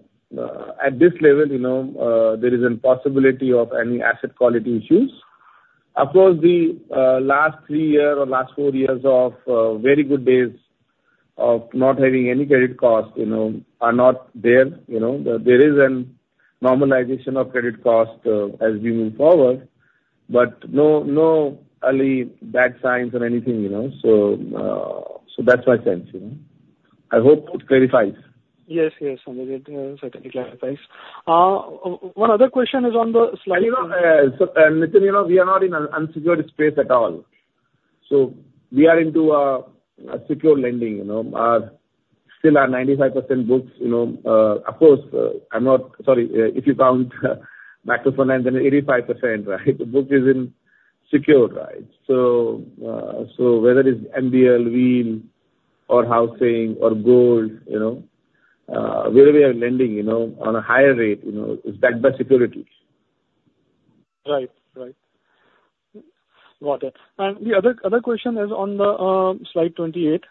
at this level, you know, there is a possibility of any asset quality issues. Of course, the last three year or last four years of very good days of not having any credit cost, you know, are not there, you know. There is a normalization of credit cost as we move forward, but no early bad signs or anything, you know. So that's my sense, you know. I hope it clarifies. Yes, yes, Sanjay, it certainly clarifies. One other question is on the slide- You know, so, Nitin, you know, we are not in an unsecured space at all. So we are into a secured lending, you know. Still our 95% books, you know, of course, if you count microfinance, then 85%, right? The book is secured, right? So, so whether it's MBL, wheels or housing or gold, you know, wherever we are lending, you know, on a higher rate, you know, it's backed by securities. Right. Right. Got it. And the other, other question is on the slide 28,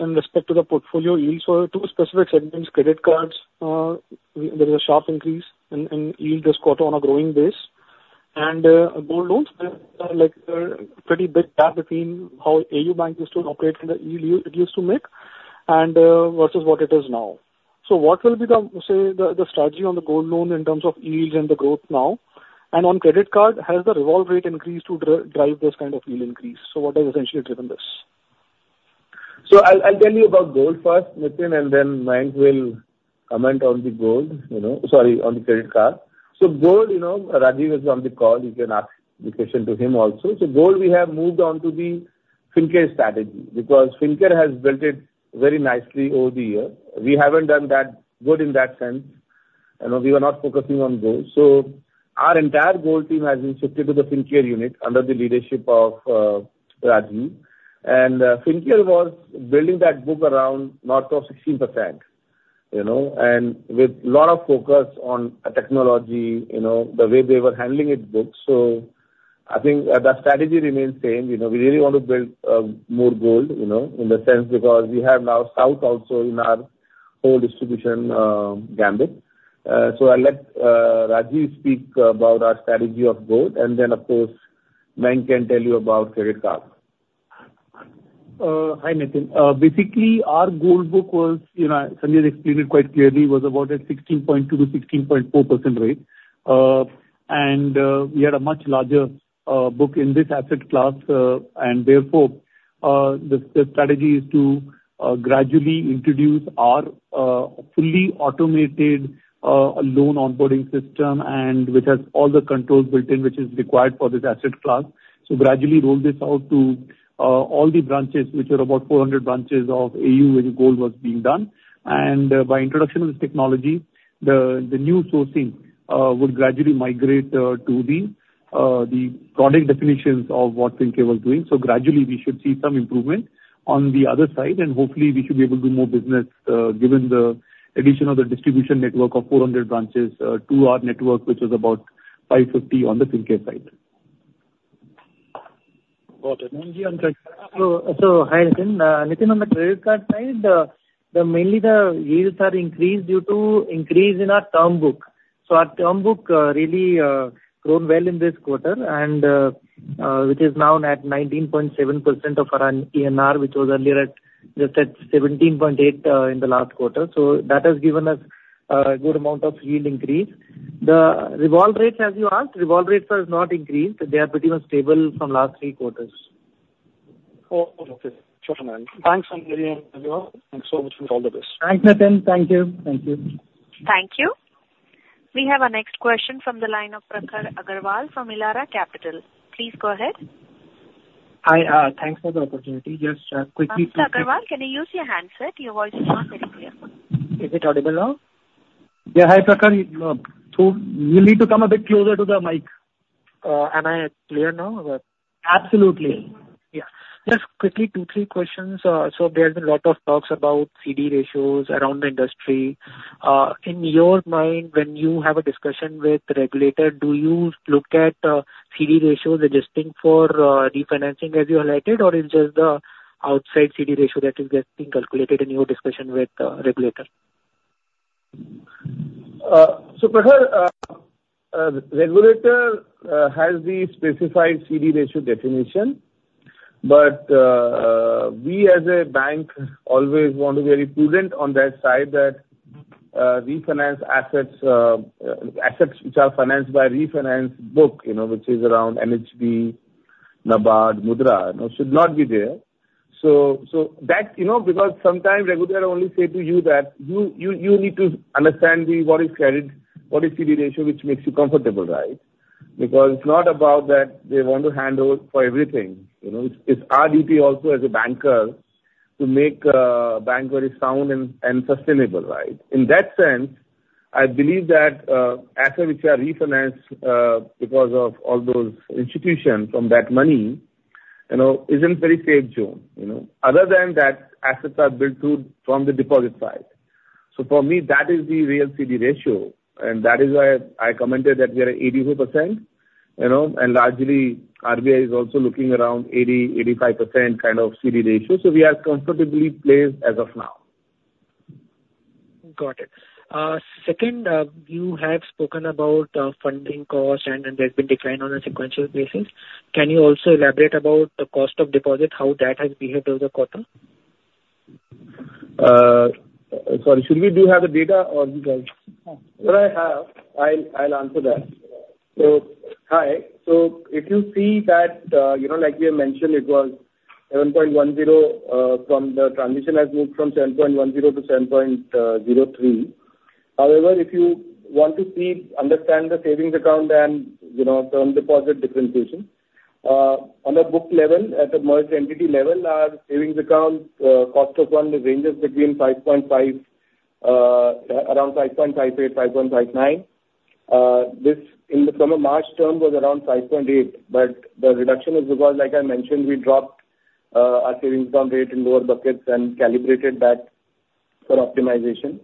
in respect to the portfolio yields for two specific segments, credit cards, there is a sharp increase in yield this quarter on a growing base. And gold loans, like, pretty big gap between how AU Bank used to operate and the yield it used to make and versus what it is now. So what will be the, say, the strategy on the gold loan in terms of yields and the growth now? And on credit card, has the revolve rate increased to drive this kind of yield increase? So what has essentially driven this? So I'll tell you about gold first, Nitin, and then Mayank will comment on the gold, you know, sorry, on the credit card. So gold, you know, Rajeev is on the call, you can ask the question to him also. So gold, we have moved on to the Fincare strategy, because Fincare has built it very nicely over the year. We haven't done that good in that sense, you know, we were not focusing on gold. So our entire gold team has been shifted to the Fincare unit under the leadership of Rajeev. And Fincare was building that book around north of 16%, you know, and with lot of focus on technology, you know, the way they were handling it book. So I think the strategy remains same. You know, we really want to build more gold, you know, in the sense because we have now South also in our whole distribution gambit. So I'll let Rajeev speak about our strategy of gold, and then, of course, Mayank can tell you about credit card. Hi, Nitin. Basically, our gold book was, you know, Sanjay explained it quite clearly, was about a 16.2%-16.4% rate. And we had a much larger book in this asset class, and therefore, the strategy is to gradually introduce our fully automated loan onboarding system, and which has all the controls built in, which is required for this asset class. So gradually roll this out to all the branches, which are about 400 branches of AU, where the gold was being done. And by introduction of this technology, the, the new sourcing would gradually migrate to the, the product definitions of what Fincare was doing. So gradually, we should see some improvement on the other side, and hopefully we should be able to do more business, given the addition of the distribution network of 400 branches to our network, which is about 550 on the Fincare side. Got it. Mayank, do you want to- Hi, Nitin. Nitin, on the credit card side, mainly the yields are increased due to increase in our term book. So our term book really grown well in this quarter, and which is now at 19.7% of our ANR, which was earlier at just 17.8% in the last quarter. So that has given us a good amount of yield increase. The revolve rate, as you asked, revolve rates has not increased. They are pretty much stable from last three quarters. Oh, okay. Sure, Mayank. Thanks, Mayank, very much. Thanks so much for all the best. Thanks, Nitin. Thank you. Thank you. Thank you. We have our next question from the line of Prakhar Agarwal from Elara Capital. Please go ahead. Hi, thanks for the opportunity. Just, quickly to- Mr. Agarwal, can you use your handset? Your voice is not very clear. Is it audible now? Yeah. Hi, Prakhar, so you need to come a bit closer to the mic. Am I clear now? Absolutely. Yeah. Just quickly, two, three questions. So there's been a lot of talks about CD ratios around the industry. In your mind, when you have a discussion with the regulator, do you look at CD ratios adjusting for refinancing as you highlighted, or it's just the outside CD ratio that is getting calculated in your discussion with the regulator? So Prakhar, the regulator has the specified CD ratio definition, but we as a bank always want to be very prudent on that side that refinance assets, assets which are financed by refinance book, you know, which is around NHB, NABARD, MUDRA, you know, should not be there. So, so that, you know, because sometimes regulator only say to you that you need to understand the what is credit, what is CD ratio, which makes you comfortable, right? Because it's not about that they want to handle for everything, you know. It's our duty also as a banker to make bank very sound and sustainable, right? In that sense, I believe that assets which are refinanced because of all those institutions from that money, you know, is in very safe zone, you know. Other than that, assets are built through from the deposit side. So for me, that is the real CD ratio, and that is why I commented that we are at 84%, you know, and largely RBI is also looking around 80%-85% kind of CD ratio. So we are comfortably placed as of now. Got it. Second, you have spoken about funding costs, and there's been decline on a sequential basis. Can you also elaborate about the cost of deposit, how that has behaved over the quarter? Sorry, should we do have the data or you don't? Well, I have. I'll answer that. So, hi. So if you see that, you know, like we mentioned, it was 7.10, from the transition has moved from 7.10 to 7.03. However, if you want to see, understand the savings account and, you know, term deposit differentiation, on a book level, at the merged entity level, our savings account, cost of fund ranges between 5.5, around 5.58, 5.59. This in the quarter of March term was around 5.8, but the reduction is because, like I mentioned, we dropped, our savings account rate in lower buckets and calibrated that for optimization.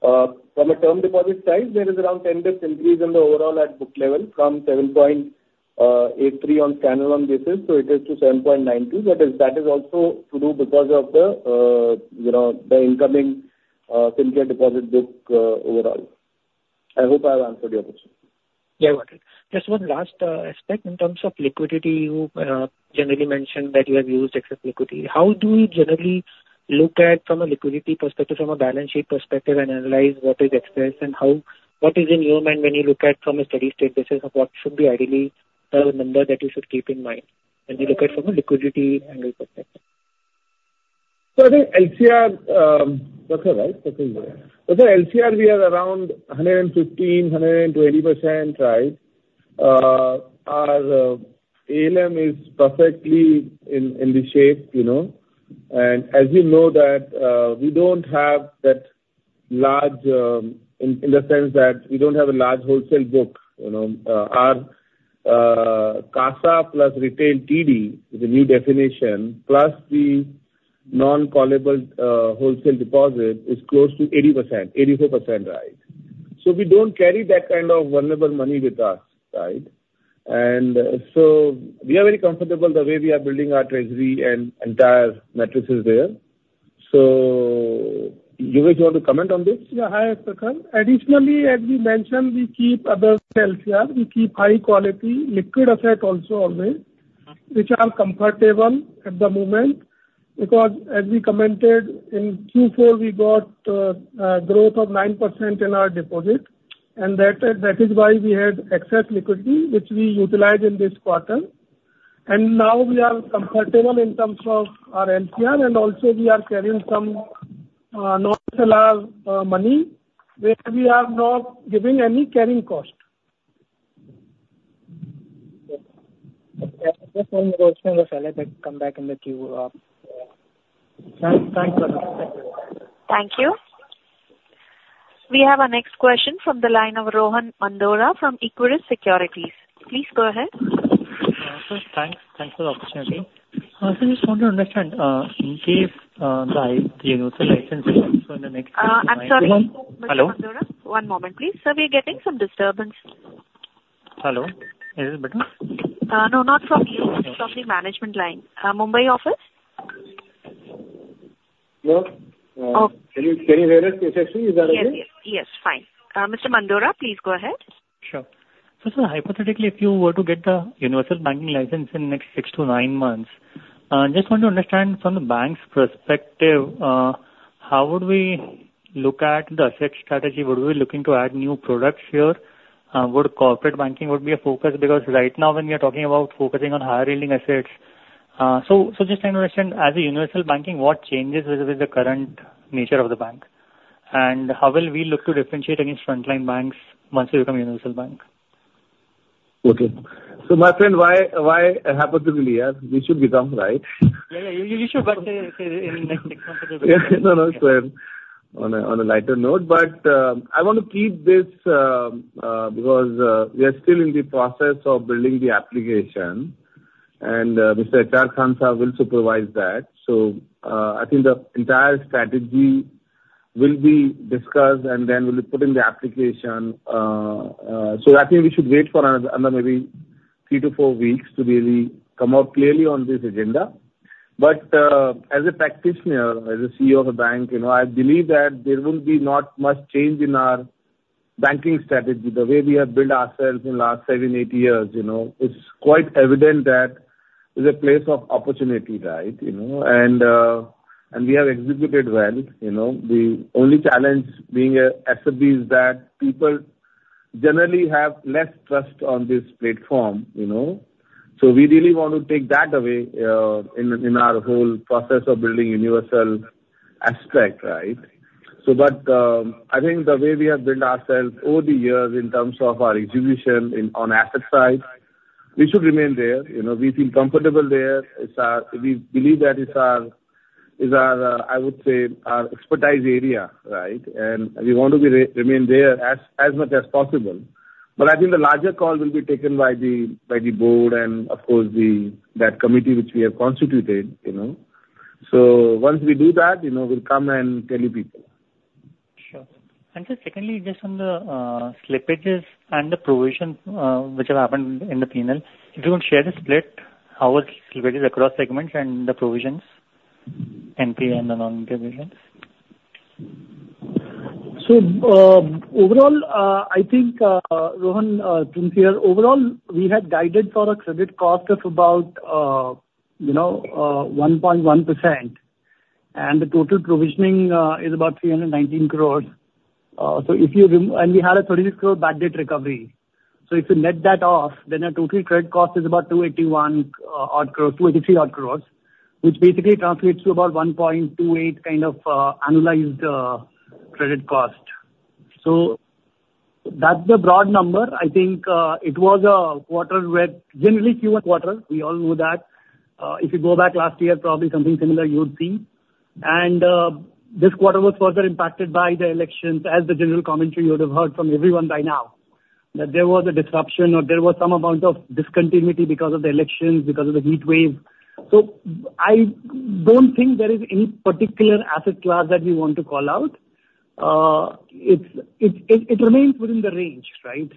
From a term deposit side, there is around 10 basis increase in the overall at book level from 7.83 on standalone basis, so it is to 7.92. But that is also to do because of the, you know, the incoming Fincare deposit book, overall. I hope I have answered your question. Yeah, got it. Just one last aspect in terms of liquidity. You generally mentioned that you have used excess liquidity. How do you generally look at from a liquidity perspective, from a balance sheet perspective, and analyze what is excess and what is in your mind when you look at from a steady state basis of what should be ideally the number that you should keep in mind when you look at from a liquidity angle perspective? So I think LCR, Prakhar, right? Prakhar. So LCR, we are around 115%-120%, right? Our ALM is perfectly in shape, you know, and as you know that, we don't have that large, in the sense that we don't have a large wholesale book, you know. Our CASA plus retail TD, is the new definition, plus the non-callable wholesale deposit is close to 80%-84%, right? So we don't carry that kind of vulnerable money with us, right? And so we are very comfortable the way we are building our treasury and entire metrics there. So Yogesh, you want to comment on this? Yeah, hi, Prakhar. Additionally, as we mentioned, we keep above the LCR. We keep high quality liquid asset also always, which are comfortable at the moment because as we commented in Q4, we got a growth of 9% in our deposit, and that is, that is why we had excess liquidity, which we utilized in this quarter. And now we are comfortable in terms of our LCR, and also we are carrying some non-large money, where we are not giving any carrying cost. Yeah. Just one more minute, and then come back in the queue. Thanks. Thanks, Prakhar. Thank you. We have our next question from the line of Rohan Mandora from Equirus Securities. Please go ahead. Yeah, sir. Thanks. Thanks for the opportunity. I just want to understand if the universal license in the next- I'm sorry. Hello? Mr. Mandora, one moment, please. Sir, we're getting some disturbance. Hello. Is it better? No, not from you. It's from the management line. Mumbai office? Hello? Can you, can you hear us, Yashashri? Is that okay? Yes, yes. Yes, fine. Mr. Mandora, please go ahead. Sure. So, sir, hypothetically, if you were to get the Universal Banking License in the next six to nine months, just want to understand from the bank's perspective, how would we look at the asset strategy? Would we be looking to add new products here? Would corporate banking be a focus? Because right now, when we are talking about focusing on higher-yielding assets. So, so just trying to understand, as a universal banking, what changes with, with the current nature of the bank? And how will we look to differentiate against frontline banks once we become a universal bank? Okay. So my friend, why, why hypothetically, yeah? We should become, right? Yeah, yeah, you should become in the next six months. Yeah, no, no. So on a lighter note, but I want to keep this because we are still in the process of building the application, and Mr. H.R. Khan sir will supervise that. So I think the entire strategy will be discussed and then will be put in the application. So I think we should wait for another maybe three to four weeks to really come out clearly on this agenda. But as a practitioner, as a CEO of a bank, you know, I believe that there will be not much change in our banking strategy. The way we have built ourselves in last seven, eight years, you know, it's quite evident that it's a place of opportunity, right? You know, and we have executed well, you know. The only challenge being a SFB is that people generally have less trust on this platform, you know? So we really want to take that away in our whole process of building universal aspect, right? So but, I think the way we have built ourselves over the years in terms of our execution on asset side, we should remain there. You know, we feel comfortable there. We believe that it's our, it's our, I would say, our expertise area, right? And we want to remain there as much as possible. But I think the larger call will be taken by the by the board and of course, that committee which we have constituted, you know. So once we do that, you know, we'll come and tell you people. Sure. Just secondly, just on the slippages and the provision which have happened in the P&L, if you want to share the split, how it slippages across segments and the provisions, NPA and the non-NPA provisions? So, overall, I think, Rohan, overall, we had guided for a credit cost of about, you know, 1.1%, and the total provisioning is about 319 crore. So if you and we had a 36 crore bad debt recovery. So if you net that off, then our total credit cost is about 281 odd crore, 283 odd crore, which basically translates to about 1.28 kind of annualized credit cost. So that's the broad number. I think, it was a quarter where, generally Q1 quarter, we all know that. If you go back last year, probably something similar you would see. This quarter was further impacted by the elections, as the general commentary you would have heard from everyone by now, that there was a disruption or there was some amount of discontinuity because of the elections, because of the heatwave. So I don't think there is any particular asset class that we want to call out. It remains within the range, right?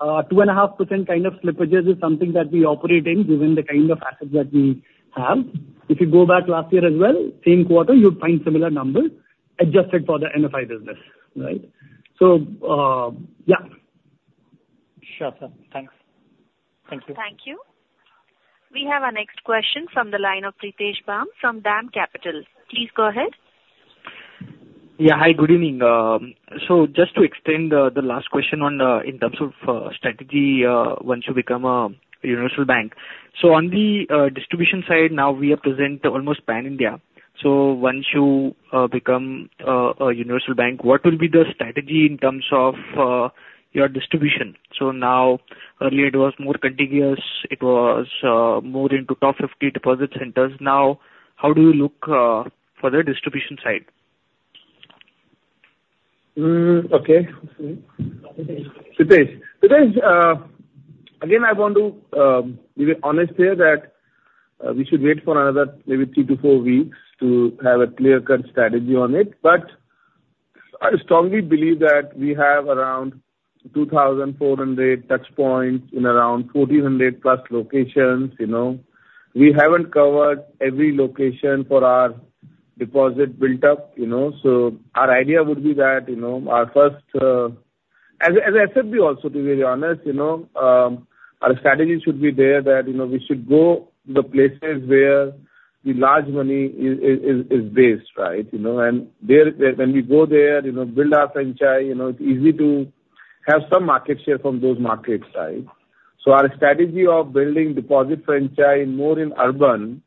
2.5% kind of slippages is something that we operate in, given the kind of assets that we have. If you go back last year as well, same quarter, you'd find similar numbers adjusted for the MFI business, right? So, yeah. Sure, sir. Thanks. Thank you. Thank you. We have our next question from the line of Pritesh Bumb from DAM Capital. Please go ahead. Yeah. Hi, good evening. So just to extend the, the last question on, in terms of, strategy, once you become a universal bank. So on the, distribution side, now we are present almost pan-India. So once you, become, a universal bank, what will be the strategy in terms of, your distribution? So now, earlier it was more contiguous, it was, more into top 50 deposit centers. Now, how do you look, for the distribution side? Okay. Pritesh. Pritesh, again, I want to be honest here that we should wait for another maybe three to four weeks to have a clear-cut strategy on it. But I strongly believe that we have around 2,400 touch points in around 1,400+ locations, you know. We haven't covered every location for our deposit built up, you know, so our idea would be that, you know, our first as FFB also, to be very honest, you know, our strategy should be there that, you know, we should go the places where the large money is based, right? You know, and there, when we go there, you know, build our franchise, you know, it's easy to have some market share from those markets, right? So our strategy of building deposit franchise more in urban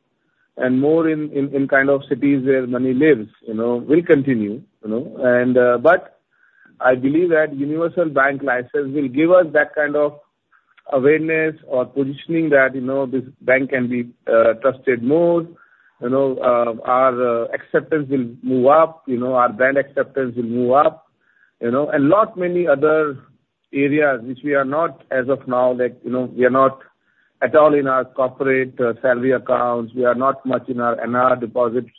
and more in kind of cities where money lives, you know, will continue, you know. But I believe that universal bank license will give us that kind of awareness or positioning that, you know, this bank can be trusted more. You know, our acceptance will move up, you know, our brand acceptance will move up, you know, and lot many other areas which we are not as of now that, you know, we are not at all in our corporate salary accounts, we are not much in our NR deposits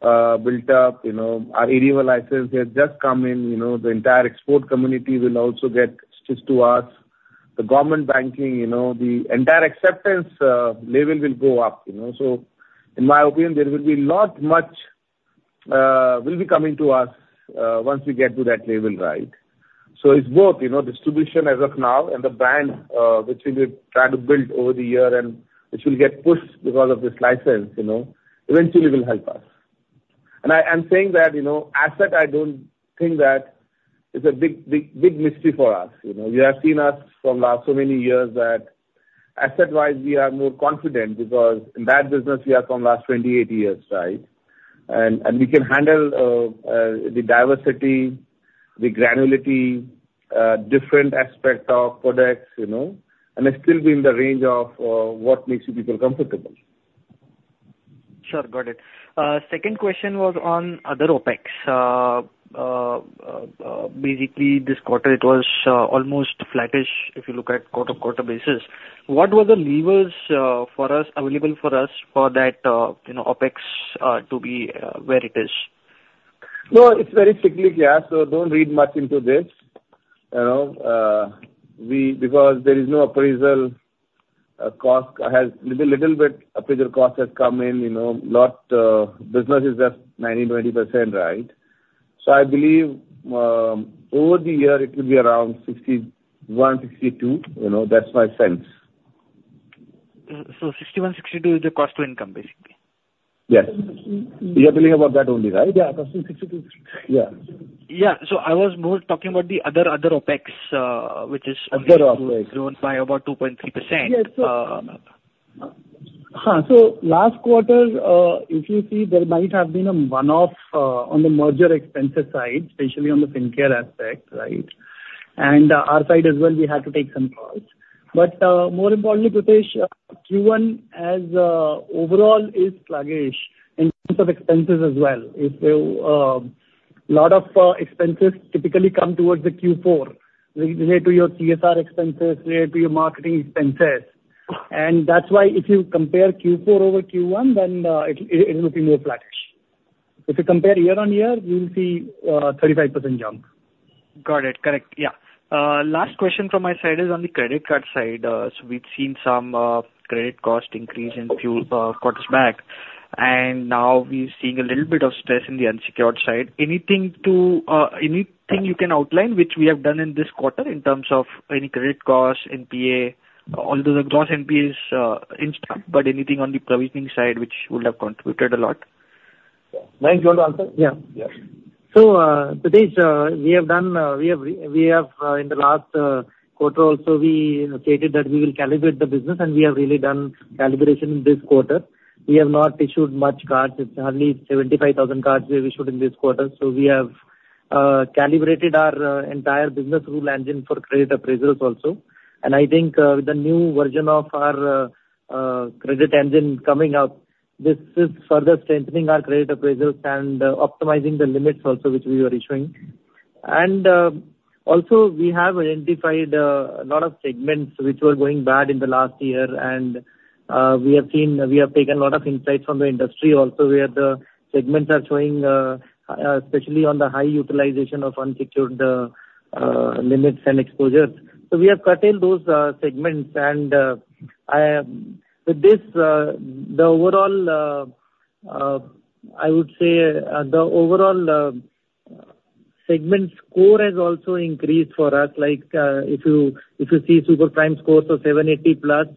built up, you know. Our AD-I license has just come in, you know, the entire export community will also get switched to us. The government banking, you know, the entire acceptance level will go up, you know. So in my opinion, there will be lot much, will be coming to us, once we get to that level, right? So it's both, you know, distribution as of now and the brand, which we will try to build over the year and which will get pushed because of this license, you know, eventually will help us. And I, I'm saying that, you know, asset I don't think that is a big, big, big mystery for us. You know, you have seen us from last so many years that asset-wise, we are more confident because in that business we are from last 28 years, right? And, and we can handle, the diversity, the granularity, different aspect of products, you know, and still be in the range of, what makes you people comfortable. Sure, got it. Second question was on other OpEx. Basically, this quarter it was almost flattish, if you look at quarter-to-quarter basis. What were the levers for us available for us for that you know OpEx to be where it is? No, it's very cyclical, so don't read much into this. You know, because there is no appraisal, a little bit appraisal cost has come in, you know, a lot of businesses are 90%-20%, right? So I believe, over the year it will be around 61%-62%, you know, that's my sense. 61%-62% is the cost to income, basically? Yes. You are talking about that only, right? Yeah, cost to 62%. Yeah. Yeah. So I was more talking about the other, other OpEx, which is- Other OpEx. grown by about 2.3%. So last quarter, if you see, there might have been a one-off, on the merger expenses side, especially on the Fincare aspect, right? And, our side as well, we had to take some calls. But, more importantly, Pritesh, Q1 as overall is sluggish in terms of expenses as well. If lot of expenses typically come towards the Q4, related to your CSR expenses, related to your marketing expenses. And that's why if you compare Q4 over Q1, then, it, it will be more flattish. If you compare year-on-year, you will see 35% jump. Got it. Correct. Yeah. Last question from my side is on the credit card side. So we've seen some credit cost increase in few quarters back, and now we're seeing a little bit of stress in the unsecured side. Anything to anything you can outline, which we have done in this quarter in terms of any credit costs, NPA, although the gross NPA is in stock, but anything on the provisioning side which would have contributed a lot? Mayank, do you want to answer? Yeah. Yeah. So, Pritesh, we have done, we have, we have, in the last quarter also, we stated that we will calibrate the business, and we have really done calibration in this quarter. We have not issued much cards. It's hardly 75,000 cards we issued in this quarter. So we have calibrated our entire business rule engine for credit appraisals also. And I think, the new version of our credit engine coming up, this is further strengthening our credit appraisals and optimizing the limits also, which we are issuing. And, also we have identified a lot of segments which were going bad in the last year. And, we have seen. We have taken a lot of insights from the industry also, where the segments are showing, especially on the high utilization of unsecured limits and exposures. So we have curtailed those segments. And with this, the overall, I would say, the overall segment score has also increased for us, like, if you, if you see super prime scores of 780+,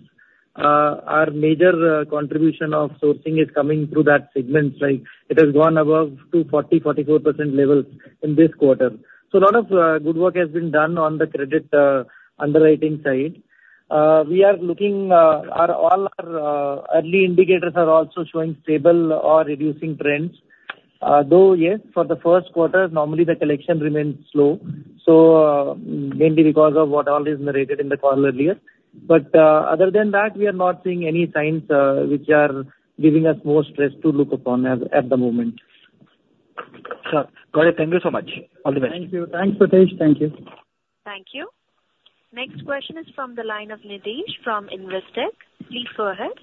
our major contribution of sourcing is coming through that segment. Like, it has gone above 40 to 44% levels in this quarter. So a lot of good work has been done on the credit underwriting side. We are looking, our all our early indicators are also showing stable or reducing trends. Though, yes, for the first quarter, normally the collection remains slow, so, mainly because of what all is narrated in the call earlier. But other than that, we are not seeing any signs which are giving us more stress to look upon at the moment. Sure. Got it. Thank you so much. All the best. Thank you. Thanks, Nitesh. Thank you. Thank you. Next question is from the line of Nidhesh from Investec. Please go ahead.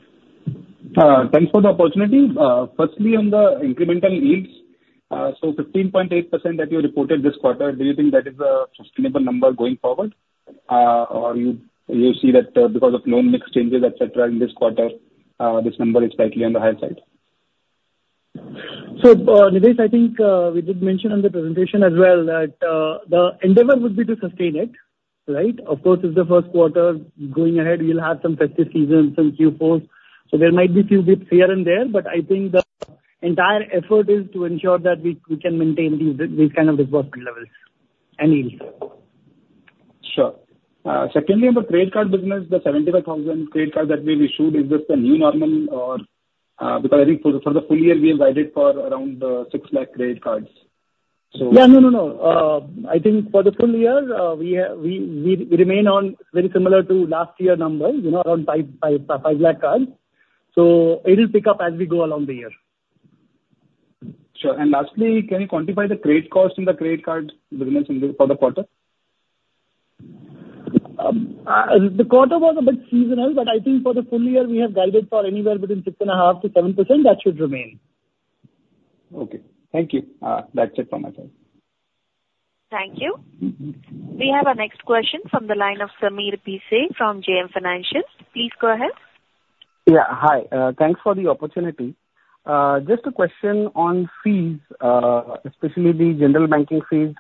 Thanks for the opportunity. Firstly, on the incremental yields, so 15.8% that you reported this quarter, do you think that is a sustainable number going forward? Or you see that, because of loan mix changes, et cetera, in this quarter, this number is slightly on the higher side? Nidesh, I think we did mention on the presentation as well that the endeavor would be to sustain it, right? Of course, it's the first quarter. Going ahead, we'll have some festive seasons in Q4, so there might be few bits here and there, but I think the entire effort is to ensure that we, we can maintain these, these kind of disbursement levels and yields. Sure. Secondly, on the credit card business, the 75,000 credit cards that we issued, is this the new normal? Or, because I think for, for the full year, we have guided for around, 600,000 credit cards, so. Yeah, no, no, no. I think for the full year, we remain on very similar to last year numbers, you know, around 555 lakh cards. So it will pick up as we go along the year. Sure. Lastly, can you quantify the credit cost in the credit card business in this, for the quarter? The quarter was a bit seasonal, but I think for the full year we have guided for anywhere between 6.5%-7%. That should remain. Okay. Thank you. That's it from my side. Thank you. We have our next question from the line of Sameer Bhise from JM Financial. Please go ahead. Yeah, hi. Thanks for the opportunity. Just a question on fees, especially the general banking fees.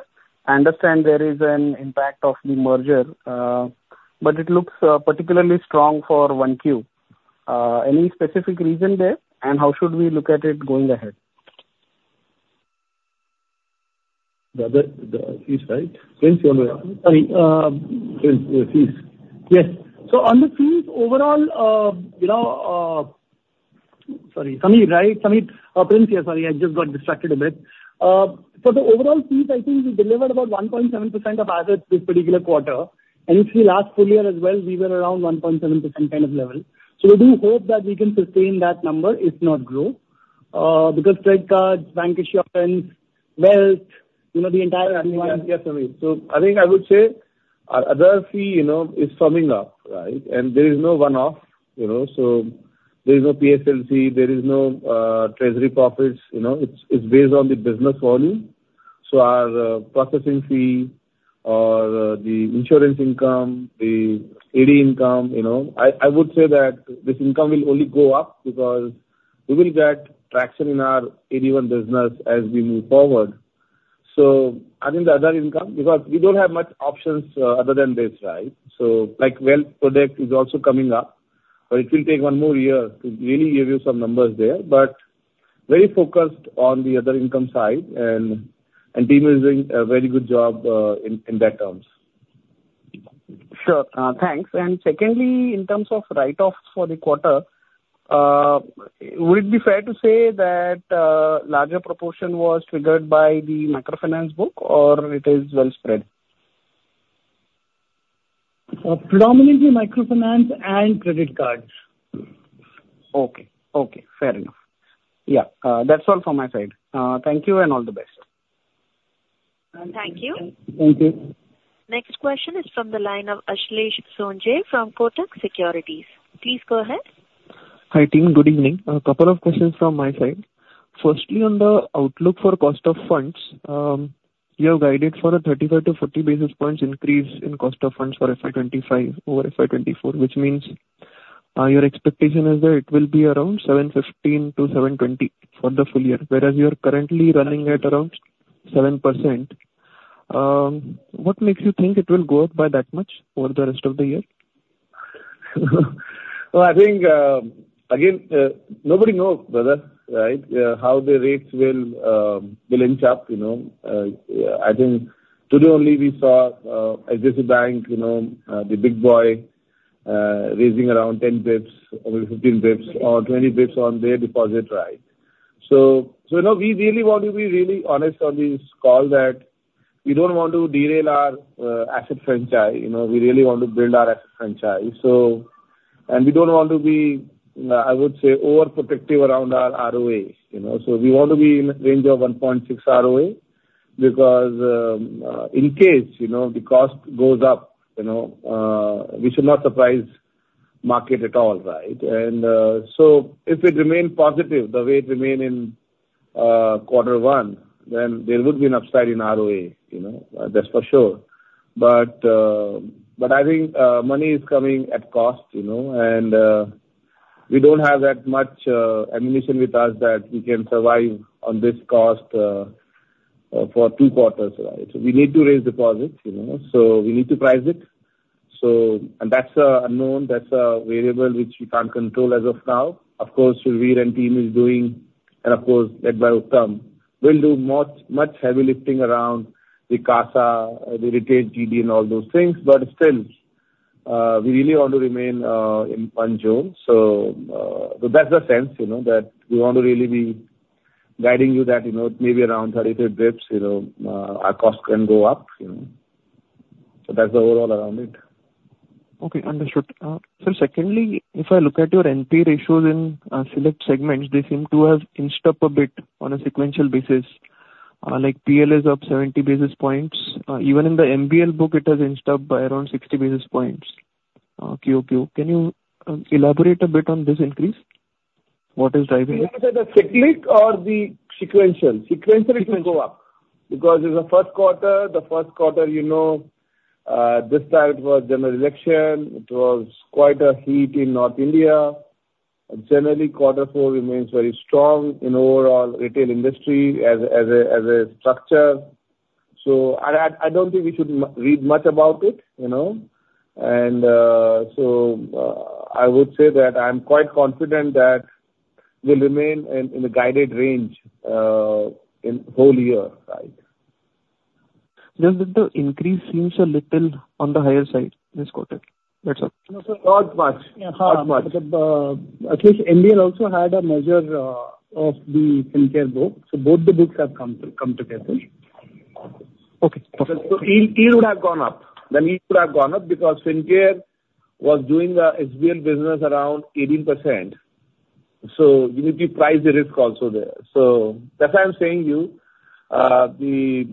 I understand there is an impact of the merger, but it looks particularly strong for 1Q. Any specific reason there, and how should we look at it going ahead? The other, the fees, right? Prince, you're on the... Sorry, uh- Prince, fees. Yes. So on the fees, overall. Sorry, Sameer, right? Sameer, Prince here. Sorry, I just got distracted a bit. For the overall fees, I think we delivered about 1.7% of average this particular quarter, and if the last full year as well, we were around 1.7% kind of level. So we do hope that we can sustain that number, if not grow, because credit cards, bank issuance, wealth, you know, the entire- Yeah, Sameer. So I think I would say our other fee, you know, is firming up, right? And there is no one-off, you know, so there is no PSLC, there is no treasury profits, you know, it's, it's based on the business volume. So our processing fee or the insurance income, the AD income, you know, I, I would say that this income will only go up because we will get traction in our AD-I business as we move forward. So I think the other income, because we don't have much options, other than this, right? So, like, wealth product is also coming up, but it will take one more year to really give you some numbers there, but very focused on the other income side, and, and team is doing a very good job, in, in that terms. Sure. Thanks. And secondly, in terms of write-offs for the quarter, would it be fair to say that larger proportion was triggered by the microfinance book, or it is well spread? Predominantly microfinance and credit cards. Okay. Okay, fair enough. Yeah, that's all from my side. Thank you and all the best. Thank you. Thank you. Next question is from the line of Ashlesh Sonje from Kotak Securities. Please go ahead. Hi, team. Good evening. A couple of questions from my side. Firstly, on the outlook for cost of funds, you have guided for a 35-40 basis points increase in cost of funds for FY 2025 over FY 2024, which means, your expectation is that it will be around 7.15%-7.20% for the full year, whereas you are currently running at around 7%. What makes you think it will go up by that much over the rest of the year? Well, I think, again, nobody knows, brother, right? How the rates will inch up, you know, I think today only we saw, Axis Bank, you know, the big boy, raising around 10 bps, over 15 bps or 20 bps on their deposit, right? So, you know, we really want to be really honest on this call that we don't want to derail our, asset franchise. You know, we really want to build our asset franchise. So and we don't want to be, I would say, overprotective around our ROA, you know. So we want to be in a range of 1.6 ROA because, in case, you know, the cost goes up, you know, we should not surprise market at all, right? So if it remain positive, the way it remain in quarter one, then there would be an upside in ROA, you know, that's for sure. But I think money is coming at cost, you know, and we don't have that much ammunition with us that we can survive on this cost for two quarters, right? So we need to raise deposits, you know, so we need to price it. So and that's unknown, that's a variable which we can't control as of now. Of course, Shoorveer and team is doing, and of course, that will come. We'll do more, much heavy lifting around the CASA, the retail GD and all those things, but still we really want to remain in one zone. So that's the sense, you know, that we want to really be guiding you that, you know, maybe around 33 basis points, you know, our cost can go up, you know. So that's the overall around it. Okay, understood. So secondly, if I look at your NP ratios in select segments, they seem to have inched up a bit on a sequential basis. Like PL is up 70 basis points. Even in the MBL book, it has inched up by around 60 basis points QoQ. Can you elaborate a bit on this increase? What is driving it? You look at the cyclic or the sequential? Sequential it will go up, because in the first quarter, the first quarter, you know, this time it was general election, it was quite a heat in North India. And generally, quarter four remains very strong in overall retail industry as a structure. So I don't think we should misread much about it, you know? And so I would say that I'm quite confident that we'll remain in the guided range in whole year, right? Just that the increase seems a little on the higher side this quarter. That's all. Not much. Not much. Yeah. At least MBL also had a measure of the Fincare book, so both the books have come together. Okay. Perfect. So it would have gone up. Then it could have gone up because Fincare was doing the SBL business around 18%, so you need to price the risk also there. So that's why I'm saying you, the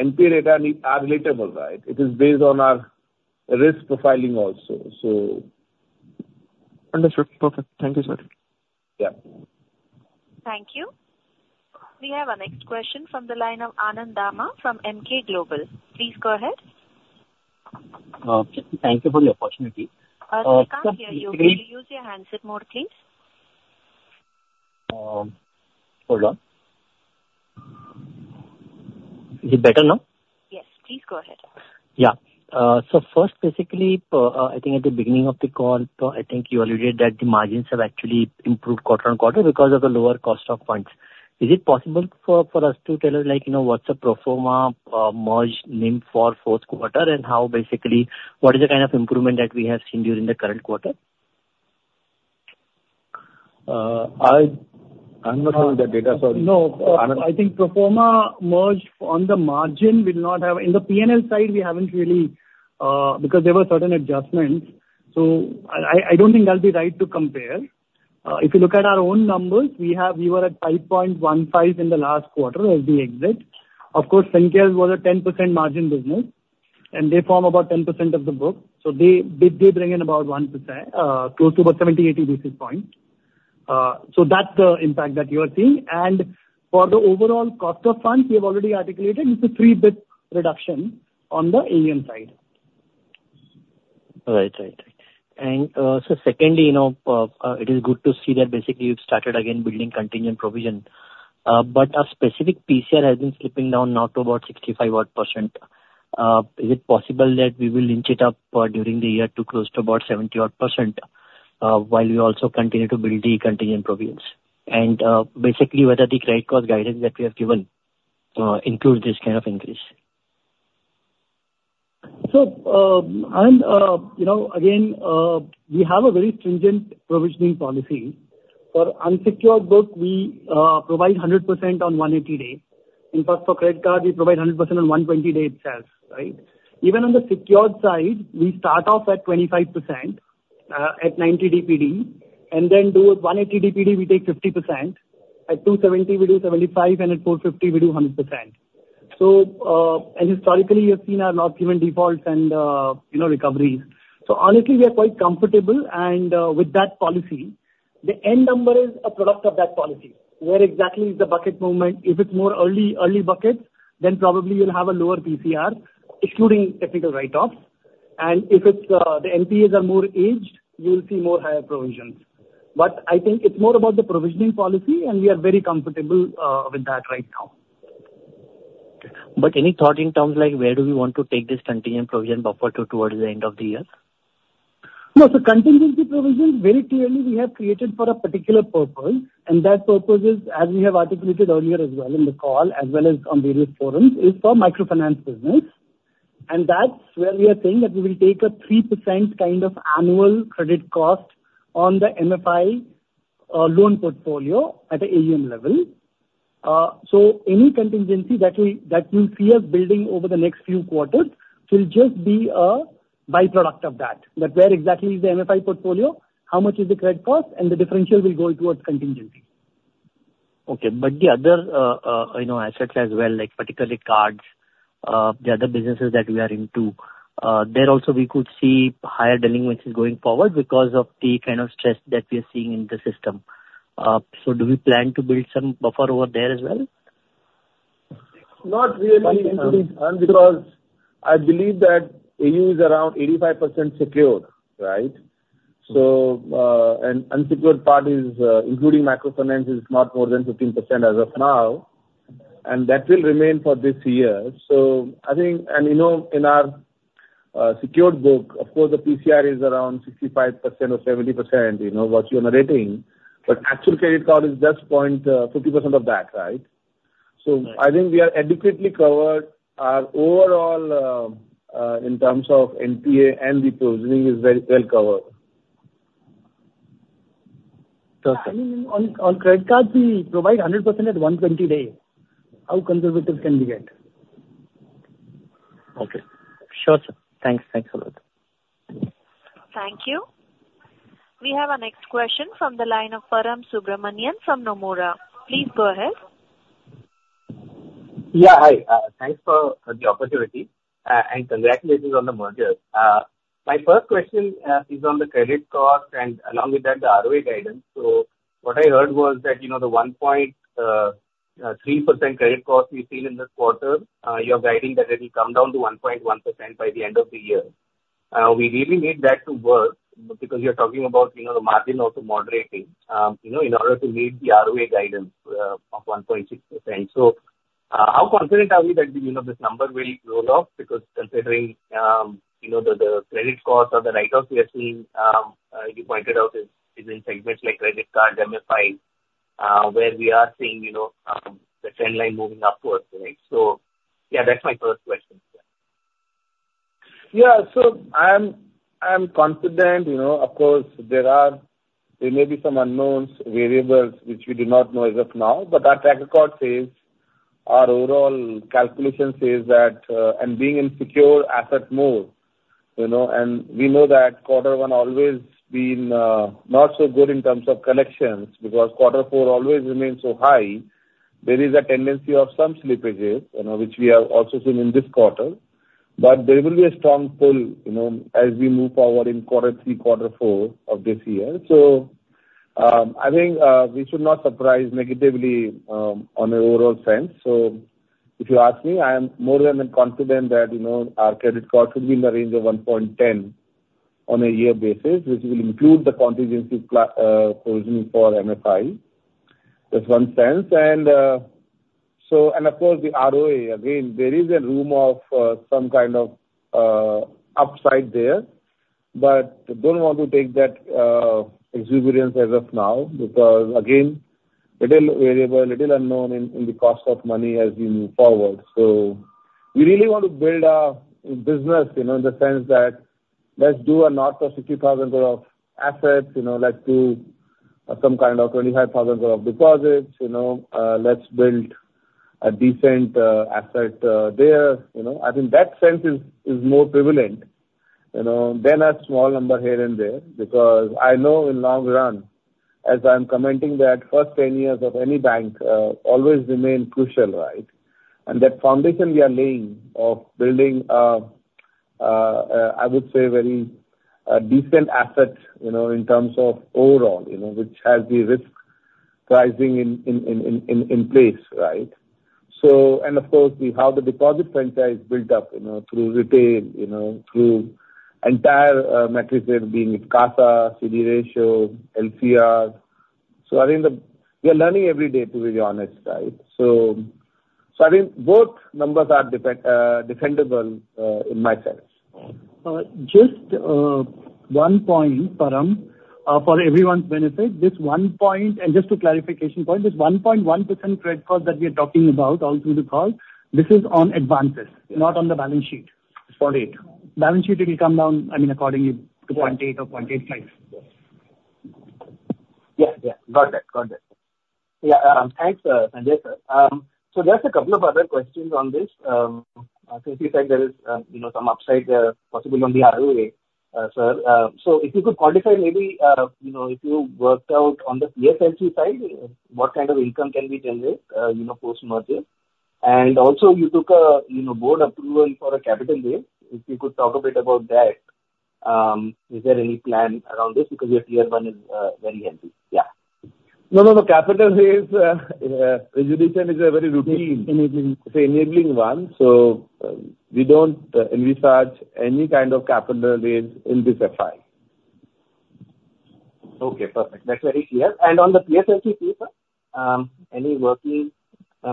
NPA data are relatable, right? It is based on our risk profiling also. Understood. Perfect. Thank you, sir. Yeah. Thank you. We have our next question from the line of Anand Dama from Emkay Global. Please go ahead. Thank you for the opportunity. We can't hear you. Could you use your handset more, please? Hold on. Is it better now? Yes. Please go ahead. Yeah. So first, basically, I think at the beginning of the call, I think you alluded that the margins have actually improved quarter-over-quarter because of the lower cost of funds. Is it possible for, for us to tell us, like, you know, what's the pro forma merge NIM for fourth quarter, and how basically, what is the kind of improvement that we have seen during the current quarter? I'm not sure with the data, sorry. No, I think pro forma merged on the margin will not have. In the P&L side, we haven't really, because there were certain adjustments, so I don't think that'll be right to compare. If you look at our own numbers, we have, we were at 5.15 in the last quarter as we exit. Of course, Fincare was a 10% margin business, and they form about 10% of the book, so they, they, they bring in about 1%, close to about 70-80 basis points. So that's the impact that you are seeing. And for the overall cost of funds, we have already articulated it's a 3 basis points reduction on the AUM side. And, so secondly, you know, it is good to see that basically you've started again building contingent provision. But our specific PCR has been slipping down now to about 65 odd %. Is it possible that we will inch it up, during the year to close to about 70 odd %, while we also continue to build the contingent provisions? And, basically, whether the credit cost guidance that we have given, includes this kind of increase. So, and, you know, again, we have a very stringent provisioning policy. For unsecured book, we provide 100% on 180-day. In fact, for credit card, we provide 100% on 120-day itself, right? Even on the secured side, we start off at 25%, at 90 DPD, and then do 180 DPD, we take 50%. At 270, we do 75%, and at 450, we do 100%. So, and historically, you've seen our non-performing defaults and, you know, recoveries. So honestly, we are quite comfortable, and, with that policy, the end number is a product of that policy. Where exactly is the bucket movement? If it's more early, early buckets, then probably you'll have a lower PCR, excluding technical write-offs. If it's the NPAs are more aged, you'll see more higher provisions. But I think it's more about the provisioning policy, and we are very comfortable with that right now. Any thought in terms like where do we want to take this contingent provision buffer to towards the end of the year? No, so contingency provision, very clearly, we have created for a particular purpose, and that purpose is, as we have articulated earlier as well in the call, as well as on various forums, is for microfinance business. And that's where we are saying that we will take a 3% kind of annual credit cost on the MFI loan portfolio at the AUM level. So any contingency that we see us building over the next few quarters will just be a by-product of that. That where exactly is the MFI portfolio, how much is the credit cost, and the differential will go towards contingency. Okay. But the other, you know, assets as well, like particularly cards, the other businesses that we are into, there also we could see higher delinquencies going forward because of the kind of stress that we are seeing in the system. So do we plan to build some buffer over there as well? Not really, because I believe that AU is around 85% secure, right? So, and unsecured part is, including microfinance, is not more than 15% as of now, and that will remain for this year. So I think, and, you know, in our, secured book, of course, the PCR is around 65% or 70%, you know, what you are narrating, but actual credit card is just point 50% of that, right? Right. I think we are adequately covered. Our overall, in terms of NPA and the provisioning is very well covered. I mean, on credit cards, we provide 100% at 120 day. How conservative can we get? Okay. Sure, sir. Thanks. Thanks a lot. Thank you. We have our next question from the line of Param Subramanian from Nomura. Please go ahead. Yeah, hi. Thanks for the opportunity, and congratulations on the merger. My first question is on the credit cost, and along with that, the ROA guidance. So what I heard was that, you know, the 1.3% credit cost we've seen in this quarter, you're guiding that it will come down to 1.1% by the end of the year. We really need that to work because you're talking about, you know, the margin also moderating, you know, in order to meet the ROA guidance of 1.6%. So, how confident are we that, you know, this number will roll off? Because considering, you know, the credit costs or the write-offs we are seeing, you pointed out is in segments like credit card, MFI, where we are seeing, you know, the trend line moving upwards, right? So yeah, that's my first question. Yeah. So I'm confident, you know, of course, there are, there may be some unknowns, variables which we do not know as of now, but our track record says, our overall calculation says that, and being in secure asset mode, you know, and we know that quarter one always been not so good in terms of collections, because quarter four always remains so high. There is a tendency of some slippages, you know, which we have also seen in this quarter. But there will be a strong pull, you know, as we move forward in quarter three, quarter four of this year. So, I think we should not surprise negatively, on an overall sense. So if you ask me, I am more than confident that, you know, our credit card should be in the range of 1.10 on a year basis, which will include the contingency provision for MFI. That's one sense. And, so, and of course, the ROA, again, there is a room of, some kind of, upside there, but don't want to take that, exuberance as of now, because again, little variable, little unknown in, in the cost of money as we move forward. So we really want to build our business, you know, in the sense that let's do a north of 60,000 of assets, you know, let's do some kind of 25,000 of deposits. You know, let's build a decent, asset, there, you know. I think that sense is more prevalent, you know, than a small number here and there. Because I know in long run, as I'm commenting, that first 10 years of any bank always remain crucial, right? And that foundation we are laying of building, I would say, very decent assets, you know, in terms of overall, you know, which has the risk pricing in place, right? So, and of course, we have the deposit franchise built up, you know, through retail, you know, through entire metrics, be it CASA, CD ratio, LCR. So I think the... We are learning every day, to be honest, right? So, so I think both numbers are defendable in my sense. Just, one point, Param, for everyone's benefit, just one point and just a clarification point. This 1.1% credit card that we are talking about all through the call, this is on advances- Yes. Not on the balance sheet. It's for it. Balance sheet, it will come down, I mean, accordingly to 0.8 or 0.85. Yeah, yeah. Got that. Got that. Yeah, thanks, Sanjay, sir. So just a couple of other questions on this. Since you said there is, you know, some upside there possibly on the ROA, sir. So if you could quantify, maybe, you know, if you worked out on the PSLC side, what kind of income can we generate, you know, post-merger? And also you took a, you know, board approval for a capital raise. If you could talk a bit about that, is there any plan around this? Because your Tier 1 is, very healthy. Yeah. No, no, no. Capital raise, resolution is a very routine- Enabling. - enabling one, so, we don't envisage any kind of capital raise in this FY. Okay, perfect. That's very clear. On the PSLC piece, any working?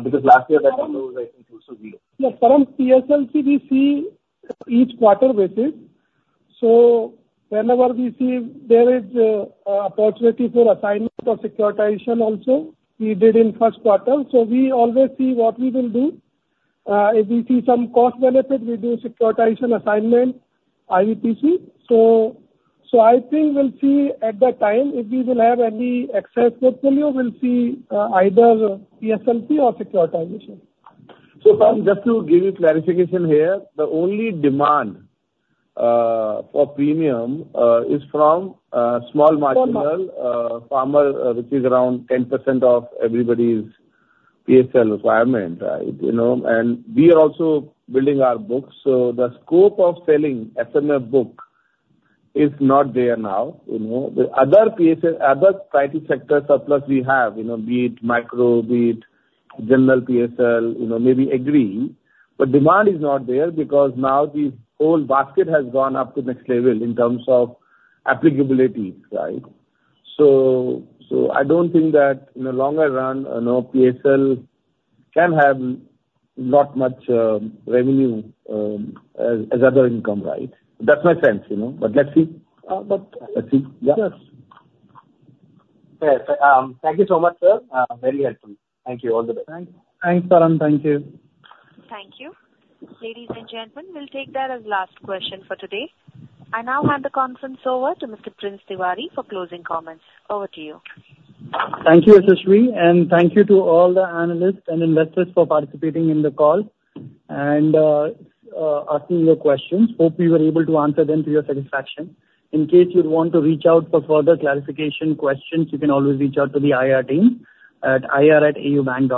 Because last year that was, I think, also zero. Yeah, Param, PSLC, we see each quarter basis. So whenever we see there is opportunity for assignment or securitization also, we did in first quarter. So we always see what we will do. If we see some cost benefit, we do securitization assignment, IBPC. So, so I think we'll see at that time, if we will have any excess portfolio, we'll see either PSLC or securitization. So, Param, just to give you clarification here, the only demand for premium is from small marginal- Small mar- Farmer, which is around 10% of everybody's PSL requirement, right? You know, and we are also building our books. So the scope of selling SMF book is not there now, you know. The other PSL, other priority sector surplus we have, you know, be it micro, be it general PSL, you know, maybe agree, but demand is not there because now the whole basket has gone up to next level in terms of applicability, right? So I don't think that in the longer run, you know, PSL can have not much revenue as other income, right? That's my sense, you know, but let's see. Uh, but- Let's see. Yeah. Yes. Thank you so much, sir. Very helpful. Thank you. All the best. Thanks. Thanks, Param. Thank you. Thank you. Ladies and gentlemen, we'll take that as last question for today. I now hand the conference over to Mr. Prince Tiwari for closing comments. Over to you. Thank you, Yashashri, and thank you to all the analysts and investors for participating in the call and asking your questions. Hope we were able to answer them to your satisfaction. In case you'd want to reach out for further clarification questions, you can always reach out to the IR team at ir@aubank.com.